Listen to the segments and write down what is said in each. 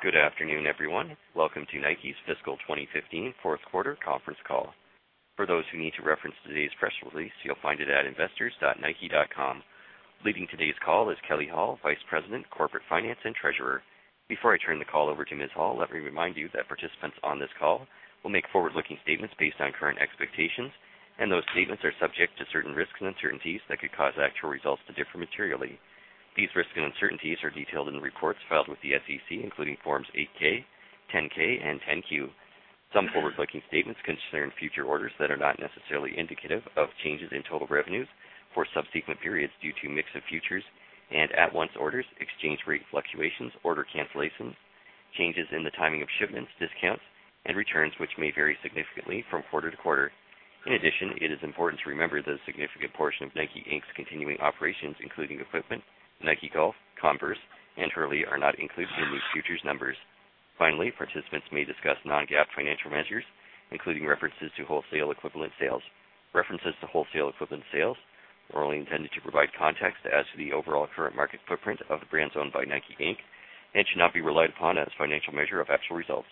Good afternoon, everyone. Welcome to Nike's fiscal 2015 fourth quarter conference call. For those who need to reference today's press release, you'll find it at investors.nike.com. Leading today's call is Kelley Hall, Vice President, Corporate Finance and Treasurer. Before I turn the call over to Ms. Hall, let me remind you that participants on this call will make forward-looking statements based on current expectations, and those statements are subject to certain risks and uncertainties that could cause actual results to differ materially. These risks and uncertainties are detailed in the reports filed with the SEC, including Forms 8-K, 10-K, and 10-Q. Some forward-looking statements concern future orders that are not necessarily indicative of changes in total revenues for subsequent periods due to mix of futures and at-once orders, exchange rate fluctuations, order cancellations, changes in the timing of shipments, discounts, and returns which may vary significantly from quarter to quarter. In addition, it is important to remember that a significant portion of NIKE, Inc.'s continuing operations, including Equipment, NIKE Golf, Converse, and Hurley are not included in these futures numbers. Finally, participants may discuss non-GAAP financial measures, including references to wholesale equivalent sales. References to wholesale equivalent sales are only intended to provide context as to the overall current market footprint of the brands owned by NIKE, Inc. and should not be relied upon as financial measure of actual results.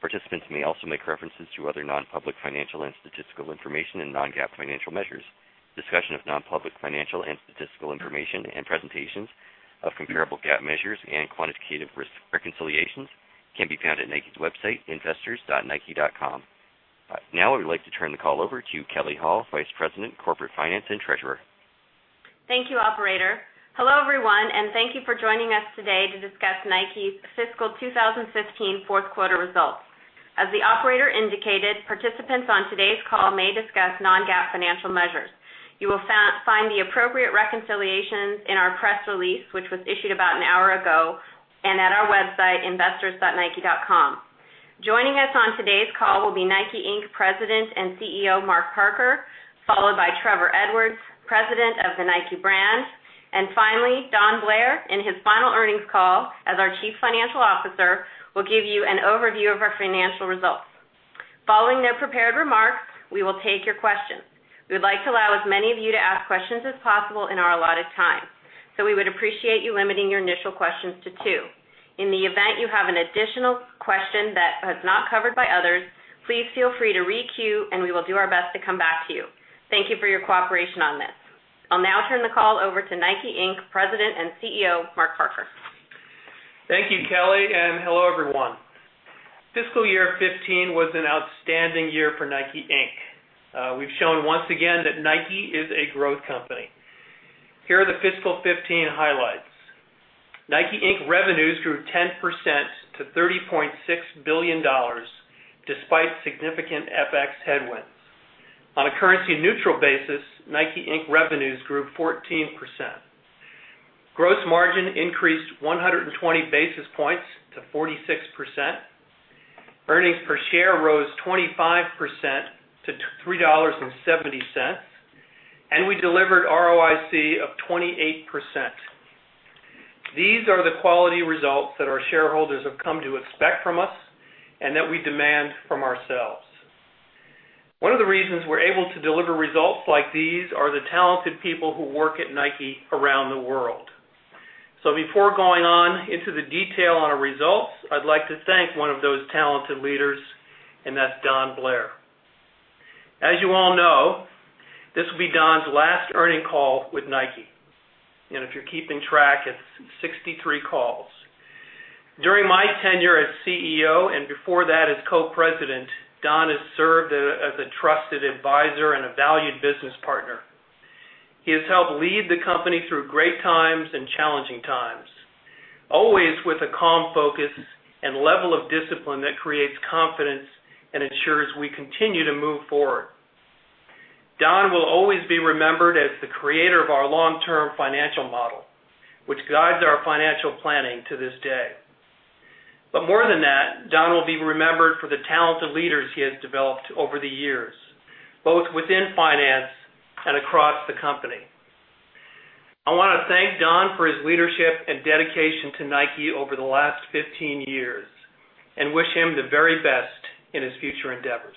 Participants may also make references to other non-public financial and statistical information and non-GAAP financial measures. Discussion of non-public financial and statistical information and presentations of comparable GAAP measures and quantitative risk reconciliations can be found at Nike's website, investors.nike.com. I would like to turn the call over to Kelley Hall, Vice President, Corporate Finance, and Treasurer. Thank you, operator. Hello, everyone, and thank you for joining us today to discuss Nike's fiscal 2015 fourth quarter results. As the operator indicated, participants on today's call may discuss non-GAAP financial measures. You will find the appropriate reconciliations in our press release, which was issued about an hour ago, and at our website, investors.nike.com. Joining us on today's call will be NIKE, Inc. President and CEO, Mark Parker, followed by Trevor Edwards, President of the Nike brand, and finally, Don Blair, in his final earnings call as our Chief Financial Officer, will give you an overview of our financial results. Following their prepared remarks, we will take your questions. We would like to allow as many of you to ask questions as possible in our allotted time. We would appreciate you limiting your initial questions to two. In the event you have an additional question that was not covered by others, please feel free to re-queue, and we will do our best to come back to you. Thank you for your cooperation on this. I'll now turn the call over to NIKE, Inc. President and CEO, Mark Parker. Thank you, Kelley, and hello, everyone. Fiscal year 2015 was an outstanding year for NIKE, Inc. We've shown once again that Nike is a growth company. Here are the fiscal 2015 highlights. NIKE, Inc. revenues grew 10% to $30.6 billion, despite significant FX headwinds. On a currency-neutral basis, NIKE, Inc. revenues grew 14%. Gross margin increased 120 basis points to 46%. Earnings per share rose 25% to $3.70. We delivered ROIC of 28%. These are the quality results that our shareholders have come to expect from us and that we demand from ourselves. One of the reasons we're able to deliver results like these are the talented people who work at Nike around the world. Before going on into the detail on our results, I'd like to thank one of those talented leaders, and that's Don Blair. As you all know, this will be Don's last earnings call with Nike. If you're keeping track, it's 63 calls. During my tenure as CEO, and before that as co-president, Don has served as a trusted advisor and a valued business partner. He has helped lead the company through great times and challenging times, always with a calm focus and level of discipline that creates confidence and ensures we continue to move forward. Don will always be remembered as the creator of our long-term financial model, which guides our financial planning to this day. More than that, Don will be remembered for the talented leaders he has developed over the years, both within finance and across the company. I want to thank Don for his leadership and dedication to Nike over the last 15 years and wish him the very best in his future endeavors.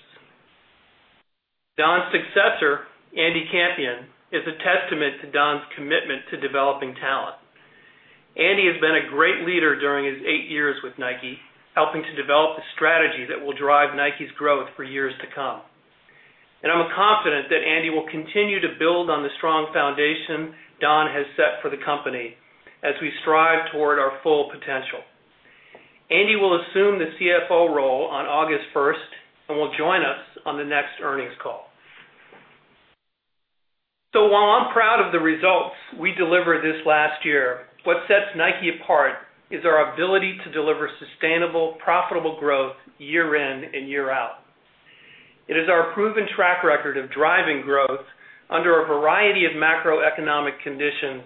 Don's successor, Andy Campion, is a testament to Don's commitment to developing talent. Andy has been a great leader during his eight years with Nike, helping to develop a strategy that will drive Nike's growth for years to come. I'm confident that Andy will continue to build on the strong foundation Don has set for the company as we strive toward our full potential. Andy will assume the CFO role on August 1st and will join us on the next earnings call. While I'm proud of the results we delivered this last year, what sets Nike apart is our ability to deliver sustainable, profitable growth year in and year out. It is our proven track record of driving growth under a variety of macroeconomic conditions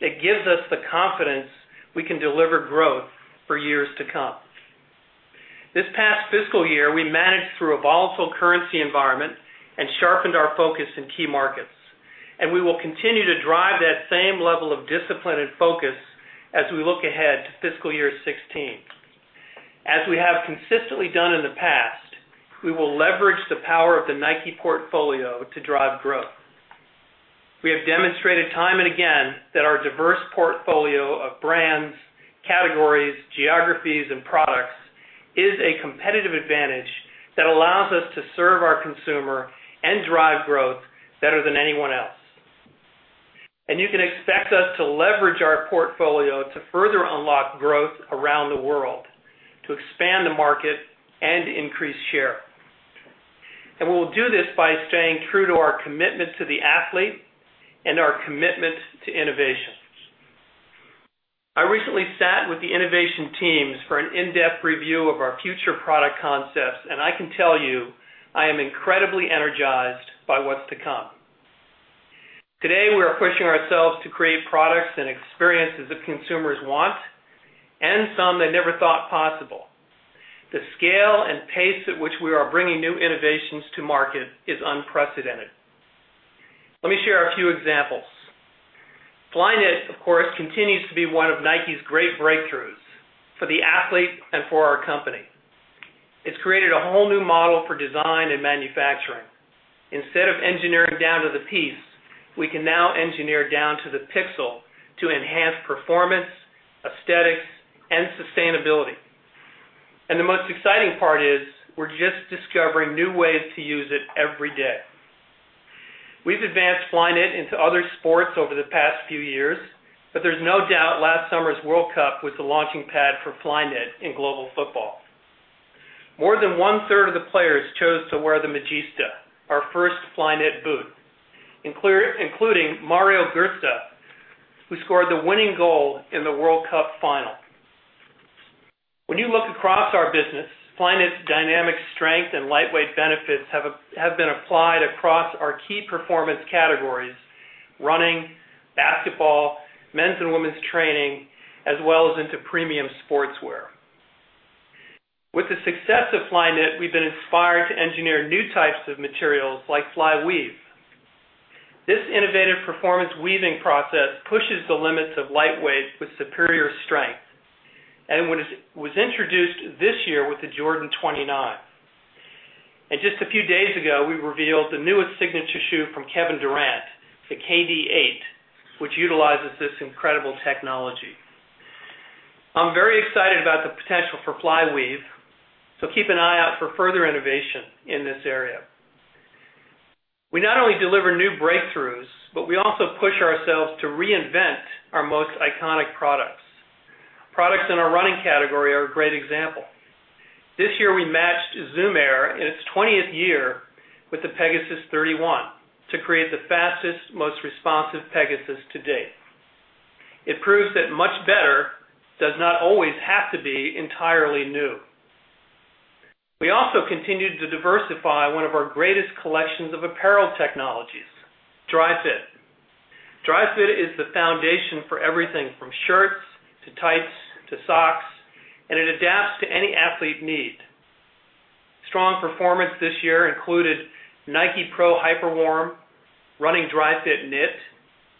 that gives us the confidence we can deliver growth for years to come. This past fiscal year, we managed through a volatile currency environment and sharpened our focus in key markets, and we will continue to drive that same level of discipline and focus as we look ahead to fiscal year 2016. As we have consistently done in the past, we will leverage the power of the Nike portfolio to drive growth. We have demonstrated time and again that our diverse portfolio of brands, categories, geographies, and products is a competitive advantage that allows us to serve our consumer and drive growth better than anyone else. You can expect us to leverage our portfolio to further unlock growth around the world, to expand the market, and increase share. We will do this by staying true to our commitment to the athlete and our commitment to innovation. I recently sat with the innovation teams for an in-depth review of our future product concepts, I can tell you, I am incredibly energized by what's to come. Today, we are pushing ourselves to create products and experiences that consumers want and some they never thought possible. The scale and pace at which we are bringing new innovations to market is unprecedented. Let me share a few examples. Flyknit, of course, continues to be one of Nike's great breakthroughs for the athlete and for our company. It's created a whole new model for design and manufacturing. Instead of engineering down to the piece, we can now engineer down to the pixel to enhance performance, aesthetics, and sustainability. The most exciting part is we're just discovering new ways to use it every day. We've advanced Flyknit into other sports over the past few years, there's no doubt last summer's World Cup was the launching pad for Flyknit in global football. More than one-third of the players chose to wear the Magista, our first Flyknit boot, including Mario Götze, who scored the winning goal in the World Cup final. When you look across our business, Flyknit's dynamic strength and lightweight benefits have been applied across our key performance categories: running, basketball, men's and women's training, as well as into premium sportswear. With the success of Flyknit, we've been inspired to engineer new types of materials like Flyweave. This innovative performance weaving process pushes the limits of lightweight with superior strength and was introduced this year with the Jordan 29. Just a few days ago, we revealed the newest signature shoe from Kevin Durant, the KD8, which utilizes this incredible technology. I'm very excited about the potential for Flyweave, keep an eye out for further innovation in this area. We not only deliver new breakthroughs, we also push ourselves to reinvent our most iconic products. Products in our running category are a great example. This year, we matched Zoom Air in its 20th year with the Pegasus 31 to create the fastest, most responsive Pegasus to date. It proves that much better does not always have to be entirely new. We also continued to diversify one of our greatest collections of apparel technologies, Dri-FIT. Dri-FIT is the foundation for everything from shirts to tights to socks, it adapts to any athlete need. Strong performance this year included Nike Pro Hyperwarm, Running Dri-FIT Knit,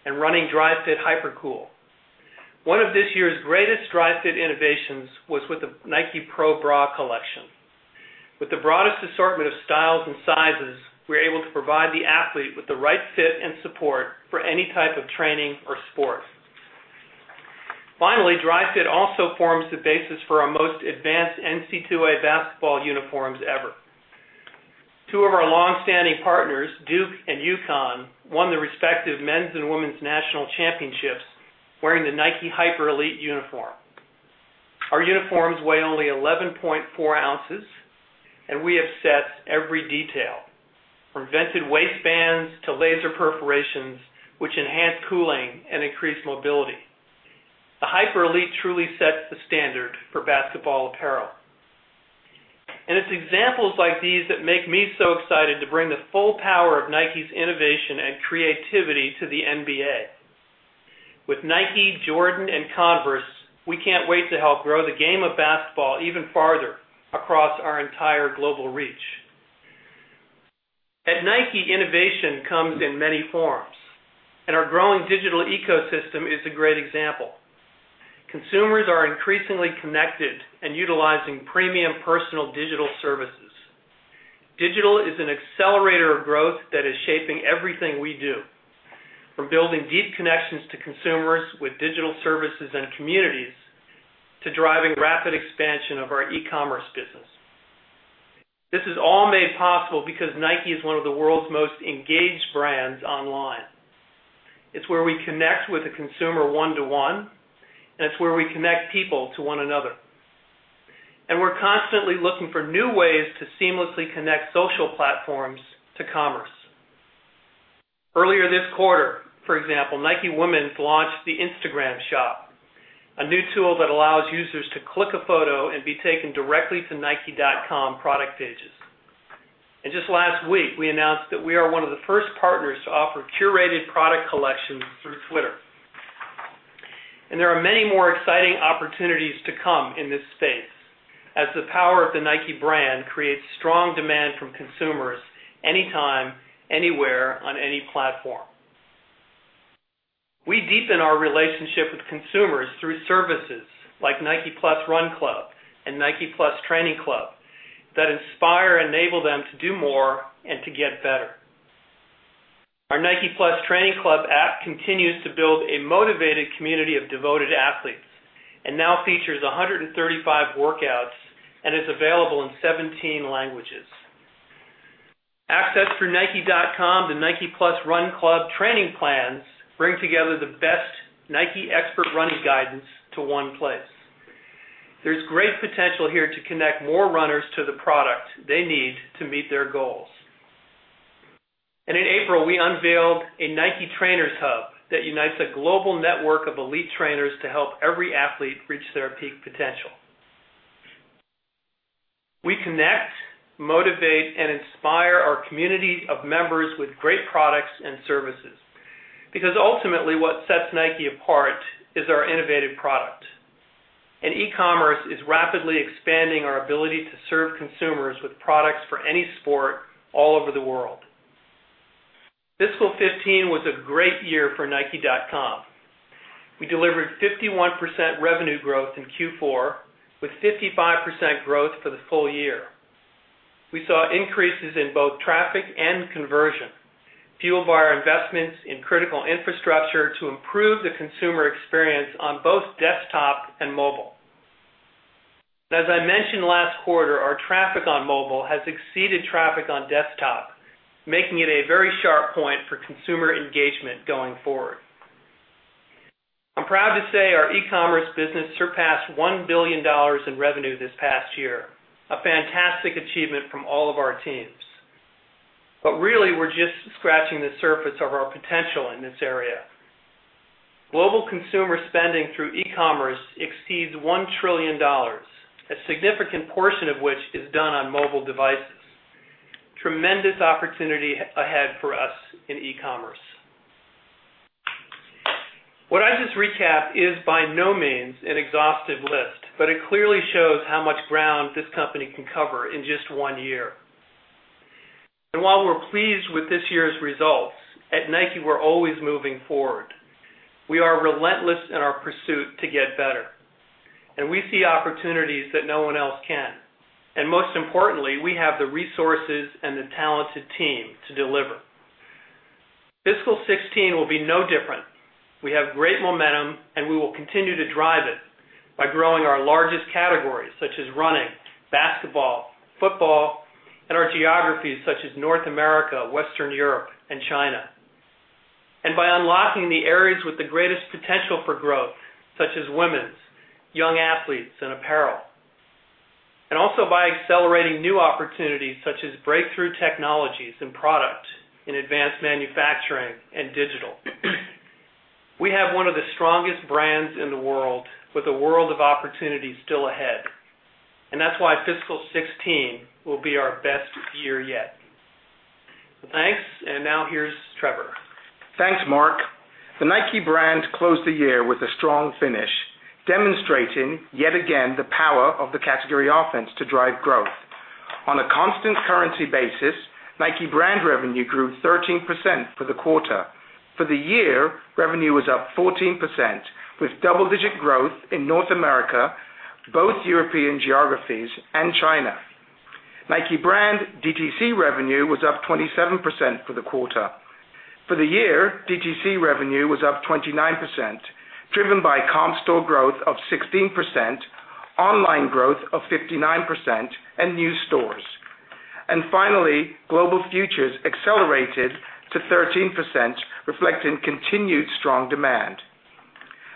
and Running Dri-FIT Hypercool. One of this year's greatest Dri-FIT innovations was with the Nike Pro Bra collection. With the broadest assortment of styles and sizes, we're able to provide the athlete with the right fit and support for any type of training or sport. Finally, Dri-FIT also forms the basis for our most advanced NCAA basketball uniforms ever. Two of our long-standing partners, Duke and UConn, won the respective men's and women's national championships wearing the Nike HyperElite uniform. Our uniforms weigh only 11.4 ounces, we have set every detail, from vented waistbands to laser perforations, which enhance cooling and increase mobility. The HyperElite truly sets the standard for basketball apparel. It's examples like these that make me so excited to bring the full power of Nike's innovation and creativity to the NBA. With Nike, Jordan, and Converse, we can't wait to help grow the game of basketball even farther across our entire global reach. At Nike, innovation comes in many forms, our growing digital ecosystem is a great example. Consumers are increasingly connected and utilizing premium personal digital services. Digital is an accelerator of growth that is shaping everything we do, from building deep connections to consumers with digital services and communities, to driving rapid expansion of our e-commerce business. This is all made possible because Nike is one of the world's most engaged brands online. It's where we connect with the consumer one to one, and it's where we connect people to one another. We're constantly looking for new ways to seamlessly connect social platforms to commerce. Earlier this quarter, for example, Nike Women's launched the Instagram shop, a new tool that allows users to click a photo and be taken directly to nike.com product pages. Just last week, we announced that we are one of the first partners to offer curated product collections through Twitter. There are many more exciting opportunities to come in this space as the power of the Nike brand creates strong demand from consumers anytime, anywhere on any platform. We deepen our relationship with consumers through services like Nike+ Run Club and Nike+ Training Club that inspire and enable them to do more and to get better. Our Nike+ Training Club app continues to build a motivated community of devoted athletes and now features 135 workouts and is available in 17 languages. Accessed through nike.com, the Nike+ Run Club training plans bring together the best Nike expert running guidance to one place. There's great potential here to connect more runners to the product they need to meet their goals. In April, we unveiled a Nike Trainers hub that unites a global network of elite trainers to help every athlete reach their peak potential. We connect, motivate, and inspire our community of members with great products and services because ultimately what sets Nike apart is our innovative product. E-commerce is rapidly expanding our ability to serve consumers with products for any sport all over the world. Fiscal 2015 was a great year for nike.com. We delivered 51% revenue growth in Q4 with 55% growth for the full year. We saw increases in both traffic and conversion, fueled by our investments in critical infrastructure to improve the consumer experience on both desktop and mobile. As I mentioned last quarter, our traffic on mobile has exceeded traffic on desktop, making it a very sharp point for consumer engagement going forward. I'm proud to say our e-commerce business surpassed $1 billion in revenue this past year. A fantastic achievement from all of our teams. Really we're just scratching the surface of our potential in this area. Global consumer spending through e-commerce exceeds $1 trillion, a significant portion of which is done on mobile devices. Tremendous opportunity ahead for us in e-commerce. What I just recapped is by no means an exhaustive list, but it clearly shows how much ground this company can cover in just one year. While we're pleased with this year's results, at Nike, we're always moving forward. We are relentless in our pursuit to get better, and we see opportunities that no one else can. Most importantly, we have the resources and the talented team to deliver. Fiscal 2016 will be no different. We have great momentum, we will continue to drive it by growing our largest categories such as running, basketball, football, and our geographies such as North America, Western Europe, and China. By unlocking the areas with the greatest potential for growth, such as women's, young athletes, and apparel. Also by accelerating new opportunities such as breakthrough technologies and product in advanced manufacturing and digital. We have one of the strongest brands in the world with a world of opportunities still ahead, and that's why fiscal 2016 will be our best year yet. Thanks. Now here's Trevor. Thanks, Mark. The Nike brand closed the year with a strong finish, demonstrating yet again the power of the category offense to drive growth. On a constant currency basis, Nike brand revenue grew 13% for the quarter. For the year, revenue was up 14%, with double-digit growth in North America, both European geographies, and China. Nike brand DTC revenue was up 27% for the quarter. For the year, DTC revenue was up 29%, driven by comp store growth of 16%, online growth of 59%, and new stores. Finally, global futures accelerated to 13%, reflecting continued strong demand.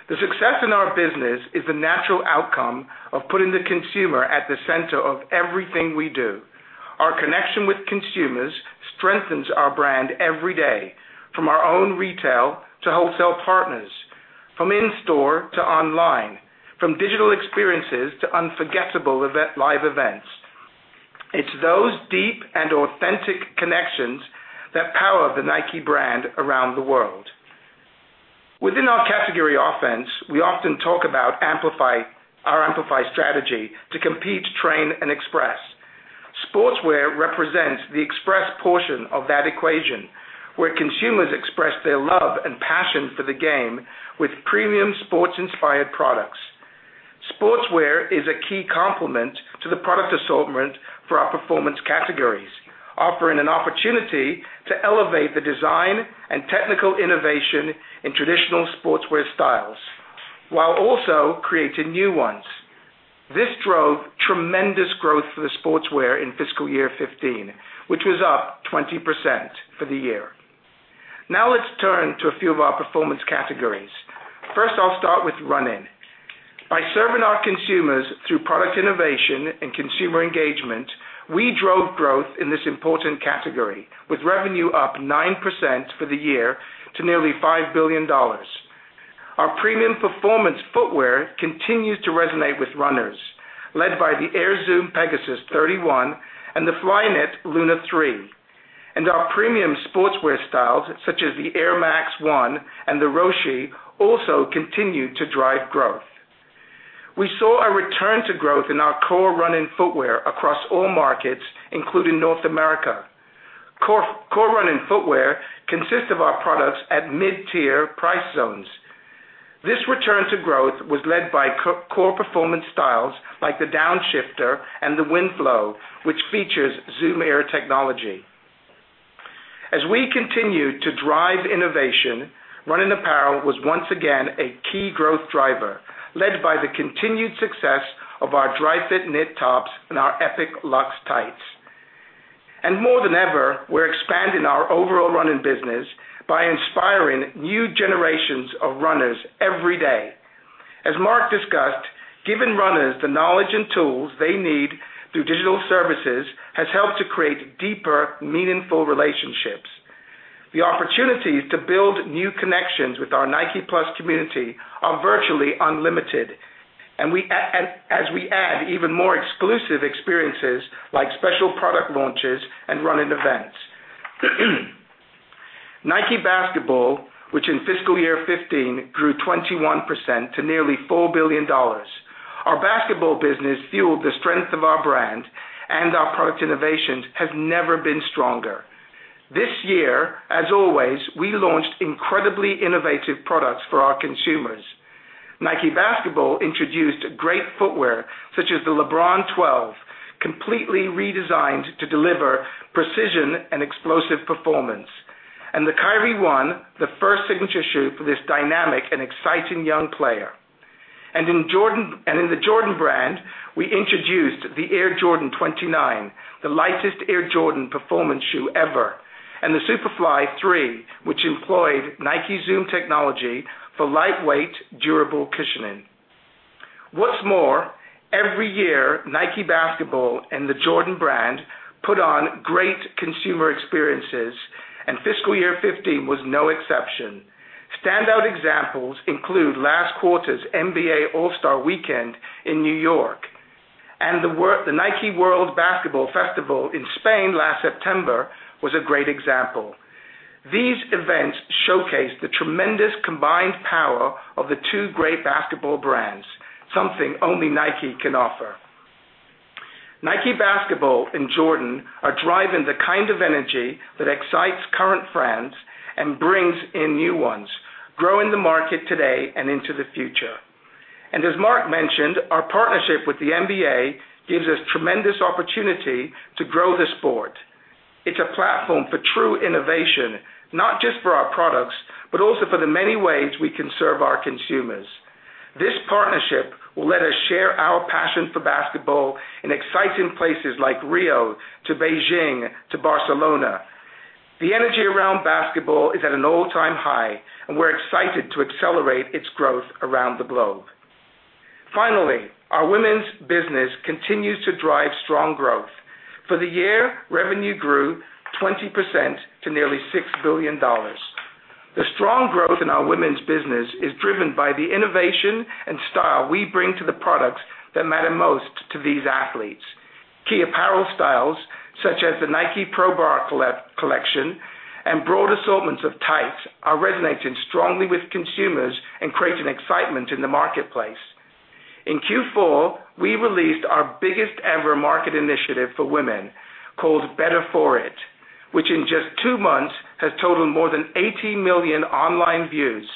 The success in our business is the natural outcome of putting the consumer at the center of everything we do. Our connection with consumers strengthens our brand every day, from our own retail to wholesale partners, from in-store to online, from digital experiences to unforgettable live events. It's those deep and authentic connections that power the Nike brand around the world. Within our category offense, we often talk about our amplify strategy to compete, train, and express. Sportswear represents the express portion of that equation, where consumers express their love and passion for the game with premium sports-inspired products. Sportswear is a key complement to the product assortment for our performance categories, offering an opportunity to elevate the design and technical innovation in traditional sportswear styles, while also creating new ones. This drove tremendous growth for the sportswear in fiscal year 2015, which was up 20% for the year. Now let's turn to a few of our performance categories. First, I'll start with running. By serving our consumers through product innovation and consumer engagement, we drove growth in this important category, with revenue up 9% for the year to nearly $5 billion. Our premium performance footwear continues to resonate with runners, led by the Air Zoom Pegasus 31 and the Flyknit Lunar 3. Our premium sportswear styles, such as the Air Max 1 and the Roshe, also continued to drive growth. We saw a return to growth in our core running footwear across all markets, including North America. Core running footwear consists of our products at mid-tier price zones. This return to growth was led by core performance styles like the Downshifter and the Winflo, which features Zoom Air technology. As we continue to drive innovation, running apparel was once again a key growth driver, led by the continued success of our Dri-FIT Knit tops and our Epic Lux tights. More than ever, we're expanding our overall running business by inspiring new generations of runners every day. As Mark discussed, giving runners the knowledge and tools they need through digital services has helped to create deeper, meaningful relationships. The opportunities to build new connections with our Nike+ community are virtually unlimited as we add even more exclusive experiences like special product launches and running events. Nike Basketball, which in fiscal year 2015 grew 21% to nearly $4 billion. Our basketball business fueled the strength of our brand, and our product innovations have never been stronger. This year, as always, we launched incredibly innovative products for our consumers. Nike Basketball introduced great footwear such as the LeBron 12, completely redesigned to deliver precision and explosive performance, and the Kyrie 1, the first signature shoe for this dynamic and exciting young player. In the Jordan Brand, we introduced the Air Jordan 29, the lightest Air Jordan performance shoe ever, and the Super.Fly 3, which employed Nike Zoom technology for lightweight, durable cushioning. What's more, every year, Nike Basketball and the Jordan Brand put on great consumer experiences, and fiscal year 2015 was no exception. Standout examples include last quarter's NBA All-Star Weekend in New York and the Nike World Basketball Festival in Spain last September was a great example. These events showcased the tremendous combined power of the two great basketball brands, something only Nike can offer. Nike Basketball and Jordan Brand are driving the kind of energy that excites current fans and brings in new ones, growing the market today and into the future. As Mark mentioned, our partnership with the NBA gives us tremendous opportunity to grow the sport. It's a platform for true innovation, not just for our products, but also for the many ways we can serve our consumers. This partnership will let us share our passion for basketball in exciting places like Rio to Beijing to Barcelona. The energy around basketball is at an all-time high, and we're excited to accelerate its growth around the globe. Finally, our women's business continues to drive strong growth. For the year, revenue grew 20% to nearly $6 billion. The strong growth in our women's business is driven by the innovation and style we bring to the products that matter most to these athletes. Key apparel styles such as the Nike Pro Bra collection and broad assortments of tights are resonating strongly with consumers and creating excitement in the marketplace. In Q4, we released our biggest ever market initiative for women called Better For It, which in just two months has totaled more than 18 million online views.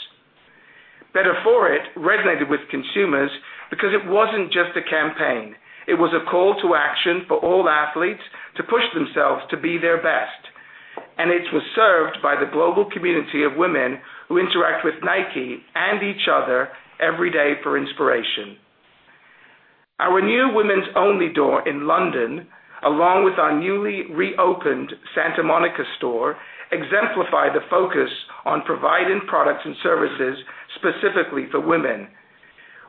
Better For It resonated with consumers because it wasn't just a campaign. It was a call to action for all athletes to push themselves to be their best, and it was served by the global community of women who interact with Nike and each other every day for inspiration. Our new women's only door in London, along with our newly reopened Santa Monica store, exemplify the focus on providing products and services specifically for women.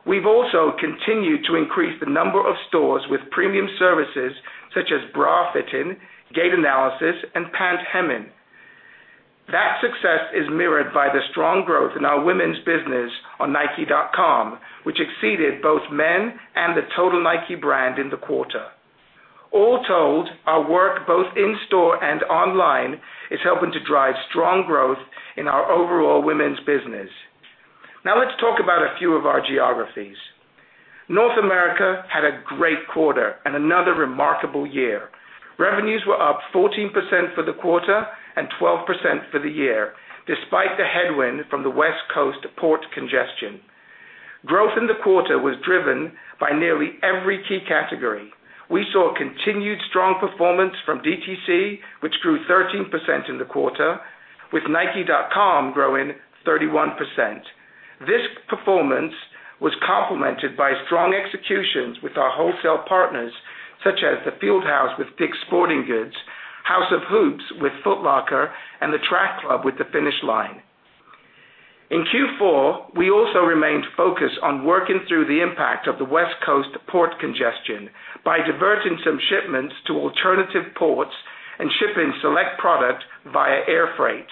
We've also continued to increase the number of stores with premium services such as bra fitting, gait analysis, and pant hemming. That success is mirrored by the strong growth in our women's business on nike.com, which exceeded both men and the total Nike Brand in the quarter. All told, our work both in-store and online is helping to drive strong growth in our overall women's business. Let's talk about a few of our geographies. North America had a great quarter and another remarkable year. Revenues were up 14% for the quarter and 12% for the year, despite the headwind from the West Coast port congestion. Growth in the quarter was driven by nearly every key category. We saw continued strong performance from DTC, which grew 13% in the quarter, with nike.com growing 31%. This performance was complemented by strong executions with our wholesale partners such as the Field House with DICK'S Sporting Goods, House of Hoops with Foot Locker, and the Track Club with The Finish Line. In Q4, we also remained focused on working through the impact of the West Coast port congestion by diverting some shipments to alternative ports and shipping select product via air freight.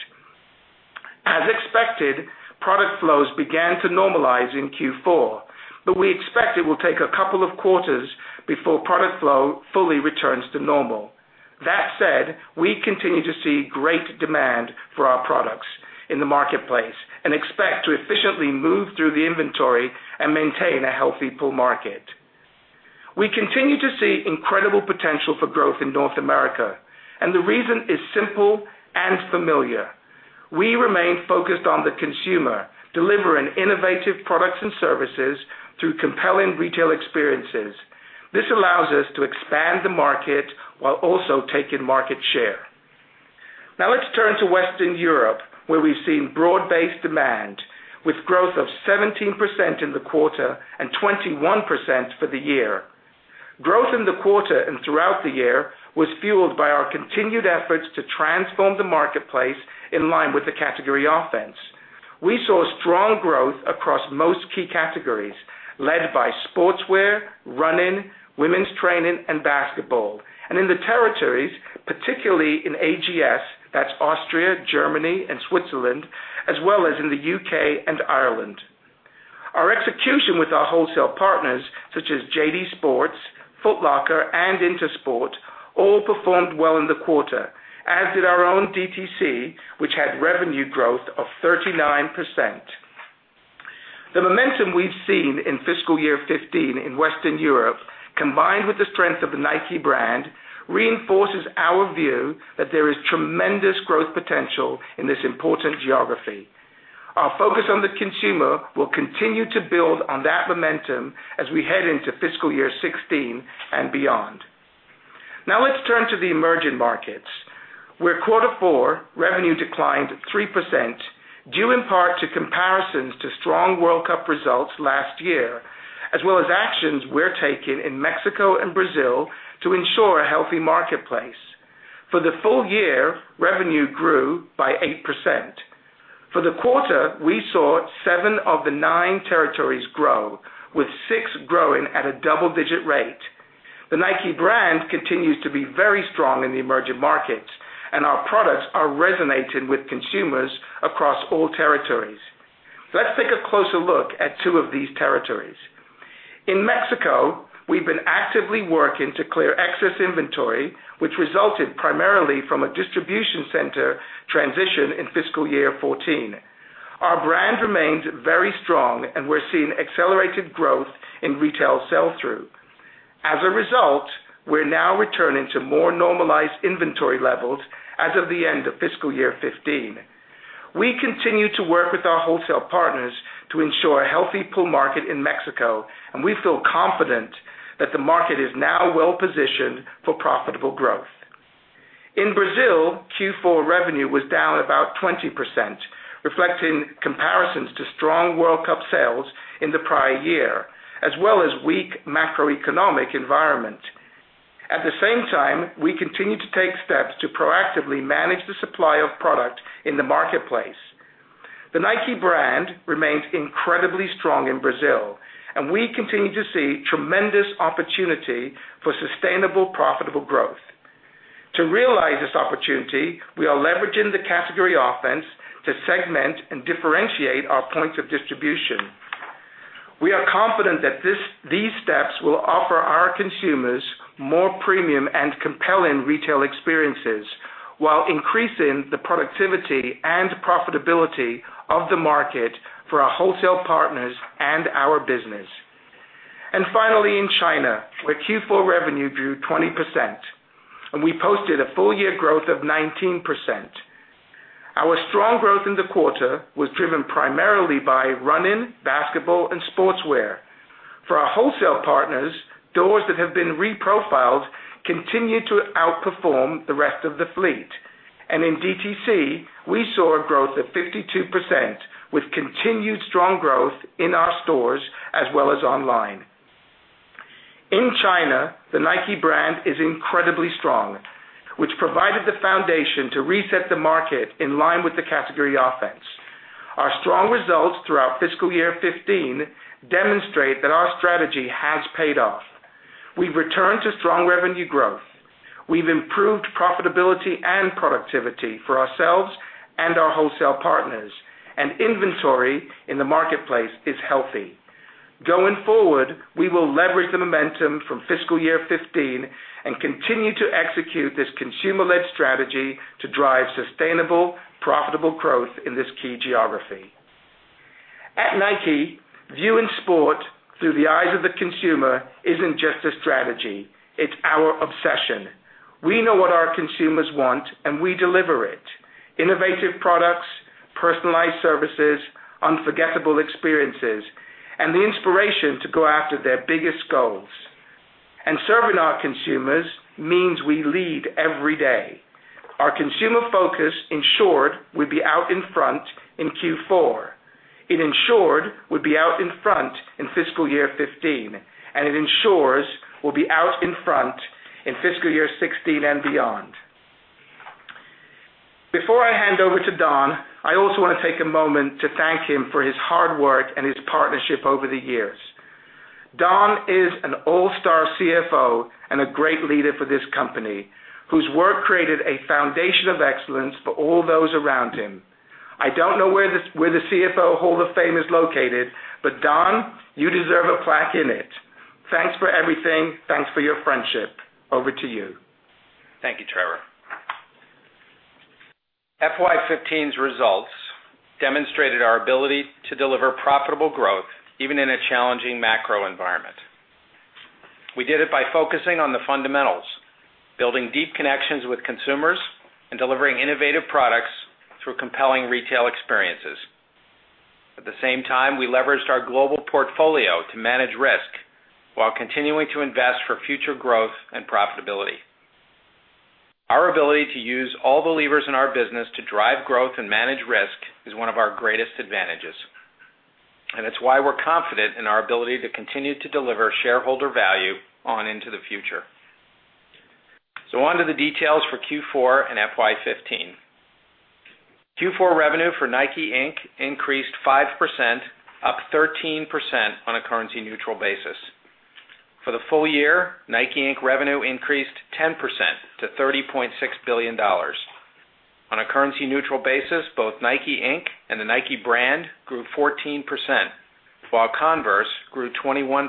As expected, product flows began to normalize in Q4, we expect it will take a couple of quarters before product flow fully returns to normal. That said, we continue to see great demand for our products in the marketplace and expect to efficiently move through the inventory and maintain a healthy pull market. We continue to see incredible potential for growth in North America, the reason is simple and familiar. We remain focused on the consumer, delivering innovative products and services through compelling retail experiences. This allows us to expand the market while also taking market share. Let's turn to Western Europe, where we've seen broad-based demand with growth of 17% in the quarter and 21% for the year. Growth in the quarter and throughout the year was fueled by our continued efforts to transform the marketplace in line with the category offense. We saw strong growth across most key categories, led by sportswear, running, women's training, and basketball. In the territories, particularly in AGS, that's Austria, Germany, and Switzerland, as well as in the U.K. and Ireland. Our execution with our wholesale partners such as JD Sports, Foot Locker, and Intersport all performed well in the quarter, as did our own DTC, which had revenue growth of 39%. The momentum we've seen in fiscal year 2015 in Western Europe, combined with the strength of the Nike brand, reinforces our view that there is tremendous growth potential in this important geography. Our focus on the consumer will continue to build on that momentum as we head into fiscal year 2016 and beyond. Let's turn to the emerging markets, where quarter four revenue declined 3%, due in part to comparisons to strong World Cup results last year, as well as actions we're taking in Mexico and Brazil to ensure a healthy marketplace. For the full year, revenue grew by 8%. For the quarter, we saw seven of the nine territories grow, with six growing at a double-digit rate. The Nike brand continues to be very strong in the emerging markets, our products are resonating with consumers across all territories. Let's take a closer look at two of these territories. In Mexico, we've been actively working to clear excess inventory, which resulted primarily from a distribution center transition in fiscal year 2014. Our brand remains very strong. We're seeing accelerated growth in retail sell-through. As a result, we're now returning to more normalized inventory levels as of the end of fiscal year 2015. We continue to work with our wholesale partners to ensure a healthy pull market in Mexico. We feel confident that the market is now well-positioned for profitable growth. In Brazil, Q4 revenue was down about 20%, reflecting comparisons to strong World Cup sales in the prior year, as well as weak macroeconomic environment. At the same time, we continue to take steps to proactively manage the supply of product in the marketplace. The Nike brand remains incredibly strong in Brazil. We continue to see tremendous opportunity for sustainable, profitable growth. To realize this opportunity, we are leveraging the category offense to segment and differentiate our points of distribution. We are confident that these steps will offer our consumers more premium and compelling retail experiences while increasing the productivity and profitability of the market for our wholesale partners and our business. Finally, in China, where Q4 revenue grew 20% and we posted a full-year growth of 19%. Our strong growth in the quarter was driven primarily by running, basketball, and sportswear. For our wholesale partners, doors that have been reprofiled continue to outperform the rest of the fleet. In DTC, we saw a growth of 52%, with continued strong growth in our stores as well as online. In China, the Nike brand is incredibly strong, which provided the foundation to reset the market in line with the category offense. Our strong results throughout fiscal year 2015 demonstrate that our strategy has paid off. We've returned to strong revenue growth. We've improved profitability and productivity for ourselves and our wholesale partners. Inventory in the marketplace is healthy. Going forward, we will leverage the momentum from fiscal year 2015 and continue to execute this consumer-led strategy to drive sustainable, profitable growth in this key geography. At Nike, viewing sport through the eyes of the consumer isn't just a strategy, it's our obsession. We know what our consumers want. We deliver it. Innovative products, personalized services, unforgettable experiences, and the inspiration to go after their biggest goals. Serving our consumers means we lead every day. Our consumer focus ensured we'd be out in front in Q4. It ensured we'd be out in front in fiscal year 2015. It ensures we'll be out in front in fiscal year 2016 and beyond. Before I hand over to Don, I also want to take a moment to thank him for his hard work and his partnership over the years. Don is an all-star CFO and a great leader for this company, whose work created a foundation of excellence for all those around him. I don't know where the CFO Hall of Fame is located, Don, you deserve a plaque in it. Thanks for everything. Thanks for your friendship. Over to you. Thank you, Trevor. FY 2015's results demonstrated our ability to deliver profitable growth even in a challenging macro environment. We did it by focusing on the fundamentals, building deep connections with consumers, and delivering innovative products through compelling retail experiences. At the same time, we leveraged our global portfolio to manage risk while continuing to invest for future growth and profitability. It's why we're confident in our ability to continue to deliver shareholder value on into the future. On to the details for Q4 and FY 2015. Q4 revenue for NIKE, Inc. increased 5%, up 13% on a currency neutral basis. For the full year, NIKE, Inc. revenue increased 10% to $30.6 billion. On a currency neutral basis, both NIKE, Inc. and the Nike brand grew 14%, while Converse grew 21%.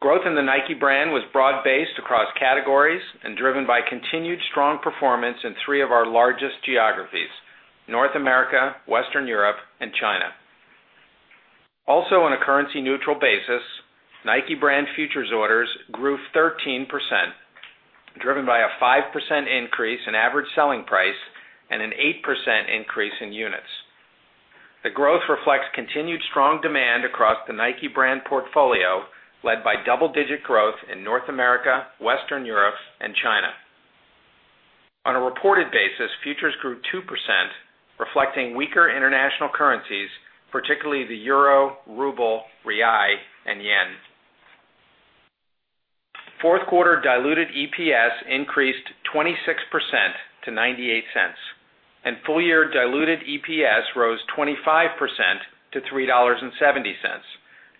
Growth in the Nike brand was broad based across categories and driven by continued strong performance in three of our largest geographies, North America, Western Europe, and China. Also on a currency neutral basis, Nike brand futures orders grew 13%, driven by a 5% increase in average selling price and an 8% increase in units. The growth reflects continued strong demand across the Nike brand portfolio, led by double-digit growth in North America, Western Europe, and China. On a reported basis, futures grew 2%, reflecting weaker international currencies, particularly the EUR, RUB, BRL, and JPY. Fourth quarter diluted EPS increased 26% to $0.98, and full-year diluted EPS rose 25% to $3.70,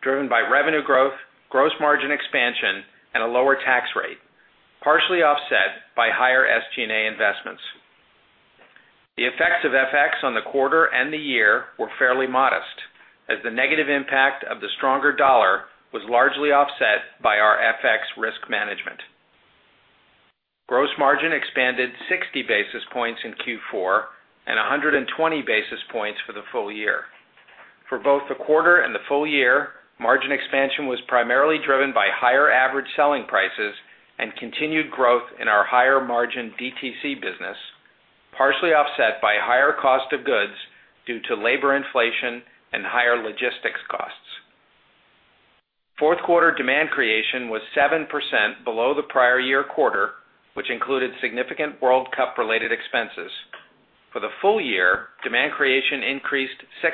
driven by revenue growth, gross margin expansion, and a lower tax rate, partially offset by higher SG&A investments. The effects of FX on the quarter and the year were fairly modest, as the negative impact of the stronger dollar was largely offset by our FX risk management. Gross margin expanded 60 basis points in Q4 and 120 basis points for the full year. For both the quarter and the full year, margin expansion was primarily driven by higher average selling prices and continued growth in our higher margin DTC business, partially offset by higher cost of goods due to labor inflation and higher logistics costs. Fourth quarter demand creation was 7% below the prior year quarter, which included significant World Cup related expenses. For the full year, demand creation increased 6%,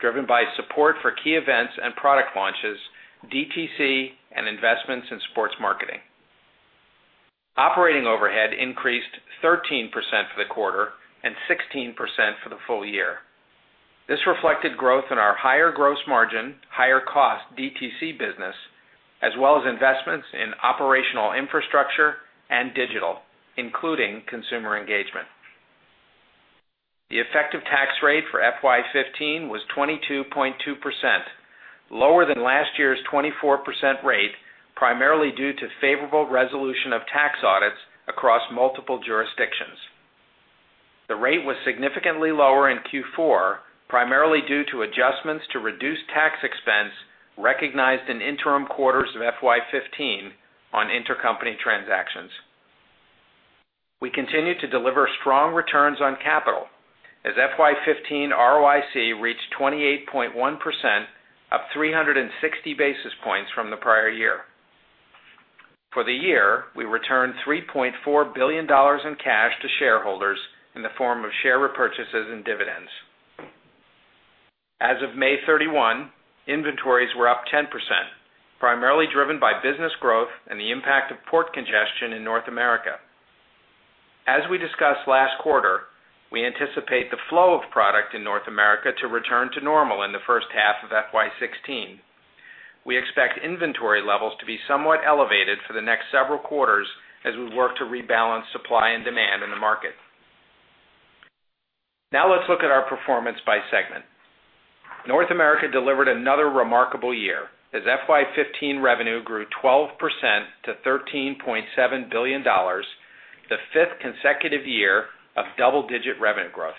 driven by support for key events and product launches, DTC, and investments in sports marketing. Operating overhead increased 13% for the quarter and 16% for the full year. This reflected growth in our higher gross margin, higher cost DTC business, as well as investments in operational infrastructure and digital, including consumer engagement. The effective tax rate for FY 2015 was 22.2%, lower than last year's 24% rate, primarily due to favorable resolution of tax audits across multiple jurisdictions. The rate was significantly lower in Q4, primarily due to adjustments to reduce tax expense recognized in interim quarters of FY 2015 on intercompany transactions. We continue to deliver strong returns on capital, as FY 2015 ROIC reached 28.1%, up 360 basis points from the prior year. For the year, we returned $3.4 billion in cash to shareholders in the form of share repurchases and dividends. As of May 31, inventories were up 10%, primarily driven by business growth and the impact of port congestion in North America. As we discussed last quarter, we anticipate the flow of product in North America to return to normal in the first half of FY 2016. We expect inventory levels to be somewhat elevated for the next several quarters as we work to rebalance supply and demand in the market. Now let's look at our performance by segment. North America delivered another remarkable year, as FY 2015 revenue grew 12% to $13.7 billion, the fifth consecutive year of double-digit revenue growth.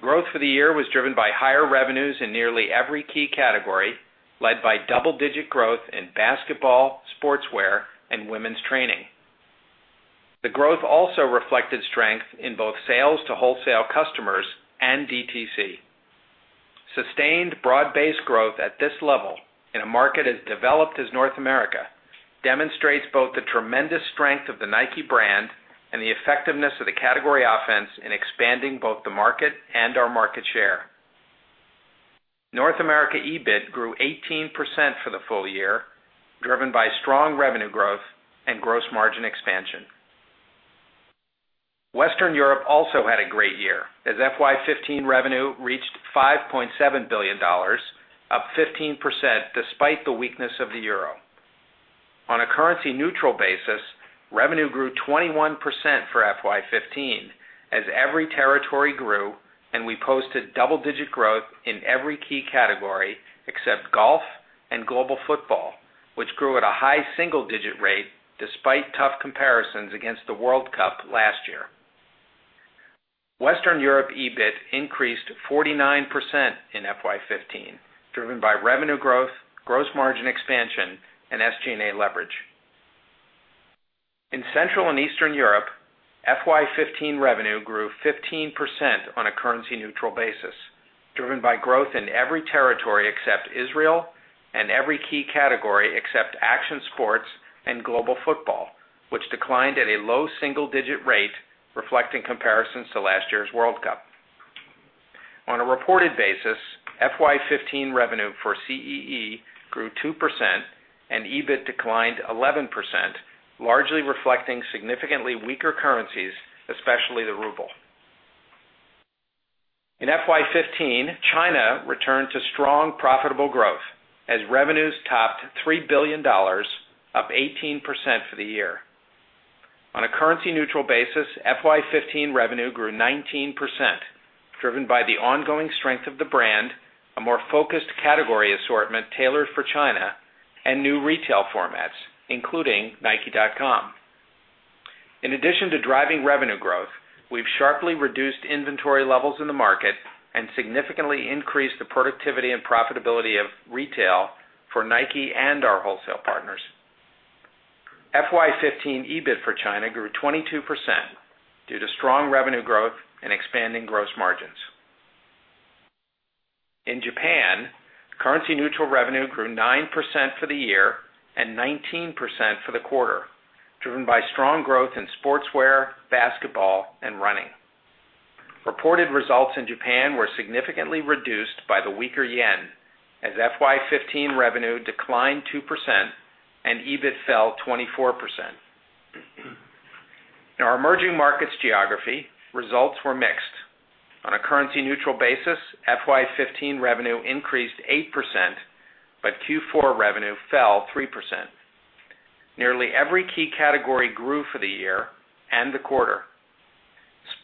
Growth for the year was driven by higher revenues in nearly every key category, led by double-digit growth in basketball, sportswear, and women's training. The growth also reflected strength in both sales to wholesale customers and DTC. Sustained broad-based growth at this level in a market as developed as North America demonstrates both the tremendous strength of the Nike brand and the effectiveness of the category offense in expanding both the market and our market share. North America EBIT grew 18% for the full year, driven by strong revenue growth and gross margin expansion. Western Europe also had a great year, as FY 2015 revenue reached $5.7 billion, up 15% despite the weakness of the euro. On a currency neutral basis, revenue grew 21% for FY 2015, as every territory grew and we posted double-digit growth in every key category except golf and global football, which grew at a high single digit rate despite tough comparisons against the World Cup last year. Western Europe EBIT increased 49% in FY 2015, driven by revenue growth, gross margin expansion and SG&A leverage. In Central and Eastern Europe, FY 2015 revenue grew 15% on a currency neutral basis, driven by growth in every territory except Israel and every key category except action sports and global football, which declined at a low single digit rate, reflecting comparisons to last year's World Cup. On a reported basis, FY 2015 revenue for CEE grew 2% and EBIT declined 11%, largely reflecting significantly weaker currencies, especially the ruble. In FY 2015, China returned to strong, profitable growth as revenues topped $3 billion, up 18% for the year. On a currency neutral basis, FY 2015 revenue grew 19%, driven by the ongoing strength of the brand, a more focused category assortment tailored for China, and new retail formats, including nike.com. In addition to driving revenue growth, we've sharply reduced inventory levels in the market and significantly increased the productivity and profitability of retail for Nike and our wholesale partners. FY 2015 EBIT for China grew 22% due to strong revenue growth and expanding gross margins. In Japan, currency neutral revenue grew 9% for the year and 19% for the quarter, driven by strong growth in sportswear, basketball and running. Reported results in Japan were significantly reduced by the weaker yen as FY 2015 revenue declined 2% and EBIT fell 24%. In our emerging markets geography, results were mixed. On a currency neutral basis, FY 2015 revenue increased 8%, but Q4 revenue fell 3%. Nearly every key category grew for the year and the quarter.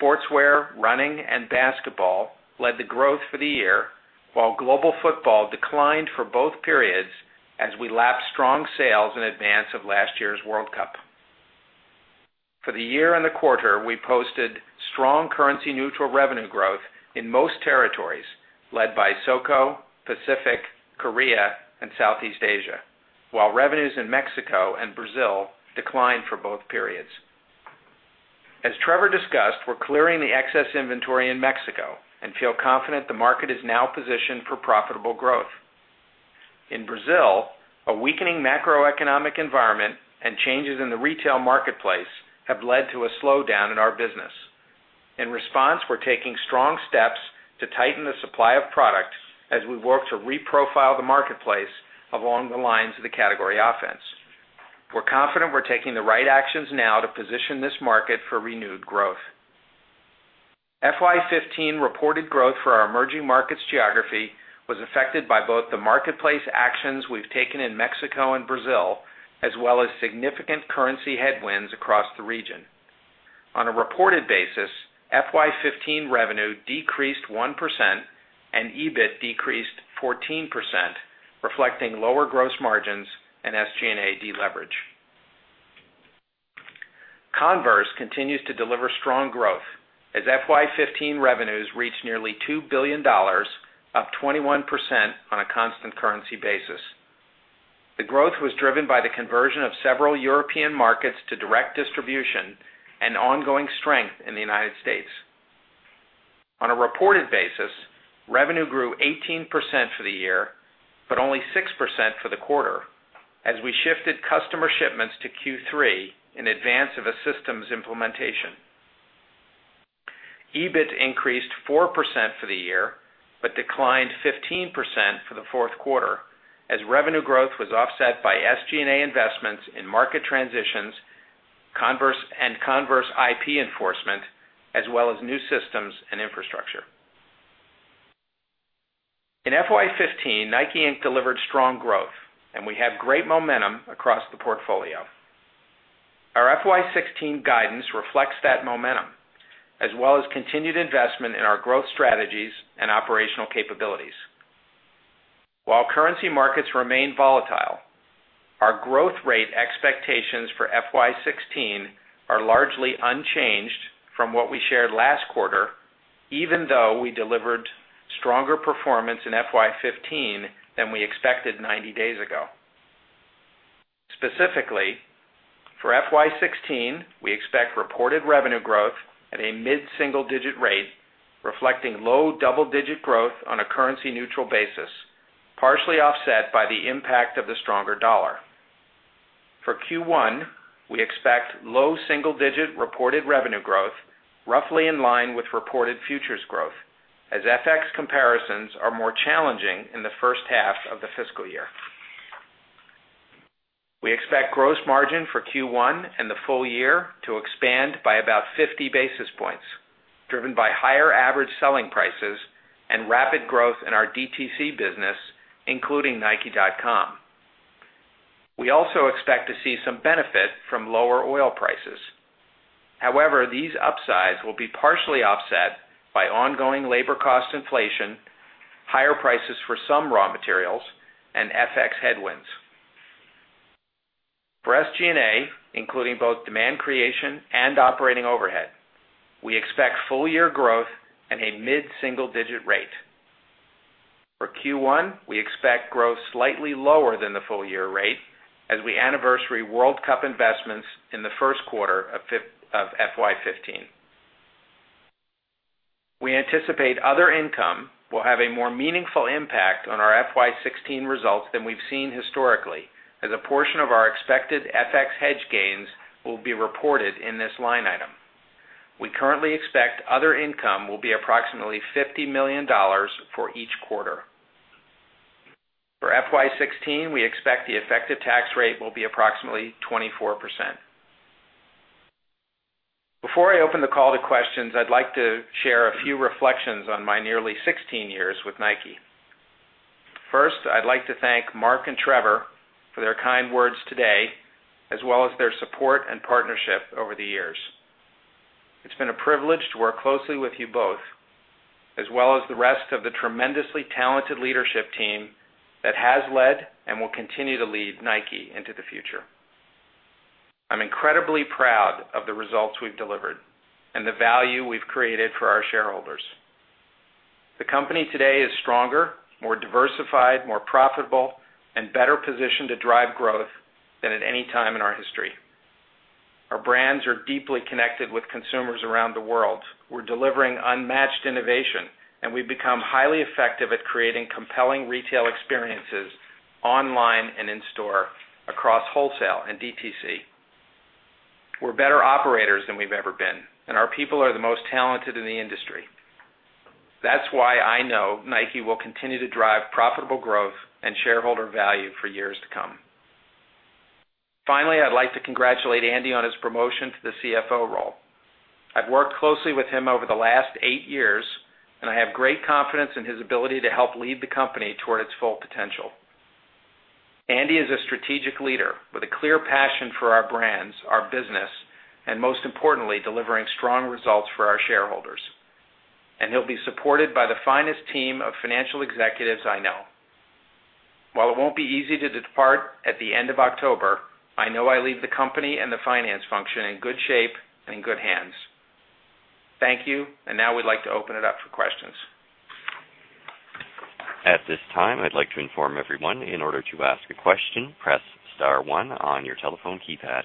Sportswear, running, and basketball led the growth for the year, while global football declined for both periods as we lapped strong sales in advance of last year's World Cup. For the year and the quarter, we posted strong currency neutral revenue growth in most territories led by SOCO, Pacific, Korea and Southeast Asia. Revenues in Mexico and Brazil declined for both periods. As Trevor discussed, we're clearing the excess inventory in Mexico and feel confident the market is now positioned for profitable growth. In Brazil, a weakening macroeconomic environment and changes in the retail marketplace have led to a slowdown in our business. In response, we're taking strong steps to tighten the supply of products as we work to re-profile the marketplace along the lines of the category offense. We're confident we're taking the right actions now to position this market for renewed growth. FY 2015 reported growth for our emerging markets geography was affected by both the marketplace actions we've taken in Mexico and Brazil, as well as significant currency headwinds across the region. On a reported basis, FY 2015 revenue decreased 1% and EBIT decreased 14%, reflecting lower gross margins and SG&A deleverage. Converse continues to deliver strong growth as FY 2015 revenues reached nearly $2 billion, up 21% on a constant currency basis. The growth was driven by the conversion of several European markets to direct distribution and ongoing strength in the United States. On a reported basis, revenue grew 18% for the year, but only 6% for the quarter as we shifted customer shipments to Q3 in advance of a systems implementation. EBIT increased 4% for the year, but declined 15% for the fourth quarter as revenue growth was offset by SG&A investments in market transitions, Converse and Converse IP enforcement, as well as new systems and infrastructure. In FY 2015, NIKE, Inc. delivered strong growth and we have great momentum across the portfolio. Our FY 2016 guidance reflects that momentum, as well as continued investment in our growth strategies and operational capabilities. Currency markets remain volatile, our growth rate expectations for FY 2016 are largely unchanged from what we shared last quarter, even though we delivered stronger performance in FY 2015 than we expected 90 days ago. Specifically, for FY 2016, we expect reported revenue growth at a mid-single digit rate, reflecting low double digit growth on a currency neutral basis, partially offset by the impact of the stronger dollar. For Q1, we expect low single digit reported revenue growth roughly in line with reported futures growth as FX comparisons are more challenging in the first half of the fiscal year. We expect gross margin for Q1 and the full year to expand by about 50 basis points. Driven by higher average selling prices and rapid growth in our DTC business, including nike.com. We also expect to see some benefit from lower oil prices. These upsides will be partially offset by ongoing labor cost inflation, higher prices for some raw materials, and FX headwinds. For SG&A, including both demand creation and operating overhead, we expect full year growth at a mid-single-digit rate. For Q1, we expect growth slightly lower than the full year rate as we anniversary World Cup investments in the first quarter of FY 2015. We anticipate other income will have a more meaningful impact on our FY 2016 results than we've seen historically, as a portion of our expected FX hedge gains will be reported in this line item. We currently expect other income will be approximately $50 million for each quarter. For FY 2016, we expect the effective tax rate will be approximately 24%. Before I open the call to questions, I'd like to share a few reflections on my nearly 16 years with Nike. First, I'd like to thank Mark and Trevor for their kind words today, as well as their support and partnership over the years. It's been a privilege to work closely with you both, as well as the rest of the tremendously talented leadership team that has led and will continue to lead Nike into the future. I'm incredibly proud of the results we've delivered and the value we've created for our shareholders. The company today is stronger, more diversified, more profitable, and better positioned to drive growth than at any time in our history. Our brands are deeply connected with consumers around the world. We're delivering unmatched innovation, we've become highly effective at creating compelling retail experiences online and in store, across wholesale and DTC. We're better operators than we've ever been, and our people are the most talented in the industry. That's why I know Nike will continue to drive profitable growth and shareholder value for years to come. Finally, I'd like to congratulate Andy on his promotion to the CFO role. I've worked closely with him over the last eight years, I have great confidence in his ability to help lead the company toward its full potential. Andy is a strategic leader with a clear passion for our brands, our business, and most importantly, delivering strong results for our shareholders. He'll be supported by the finest team of financial executives I know. While it won't be easy to depart at the end of October, I know I leave the company and the finance function in good shape and in good hands. Thank you. Now we'd like to open it up for questions. At this time, I'd like to inform everyone, in order to ask a question, press *1 on your telephone keypad.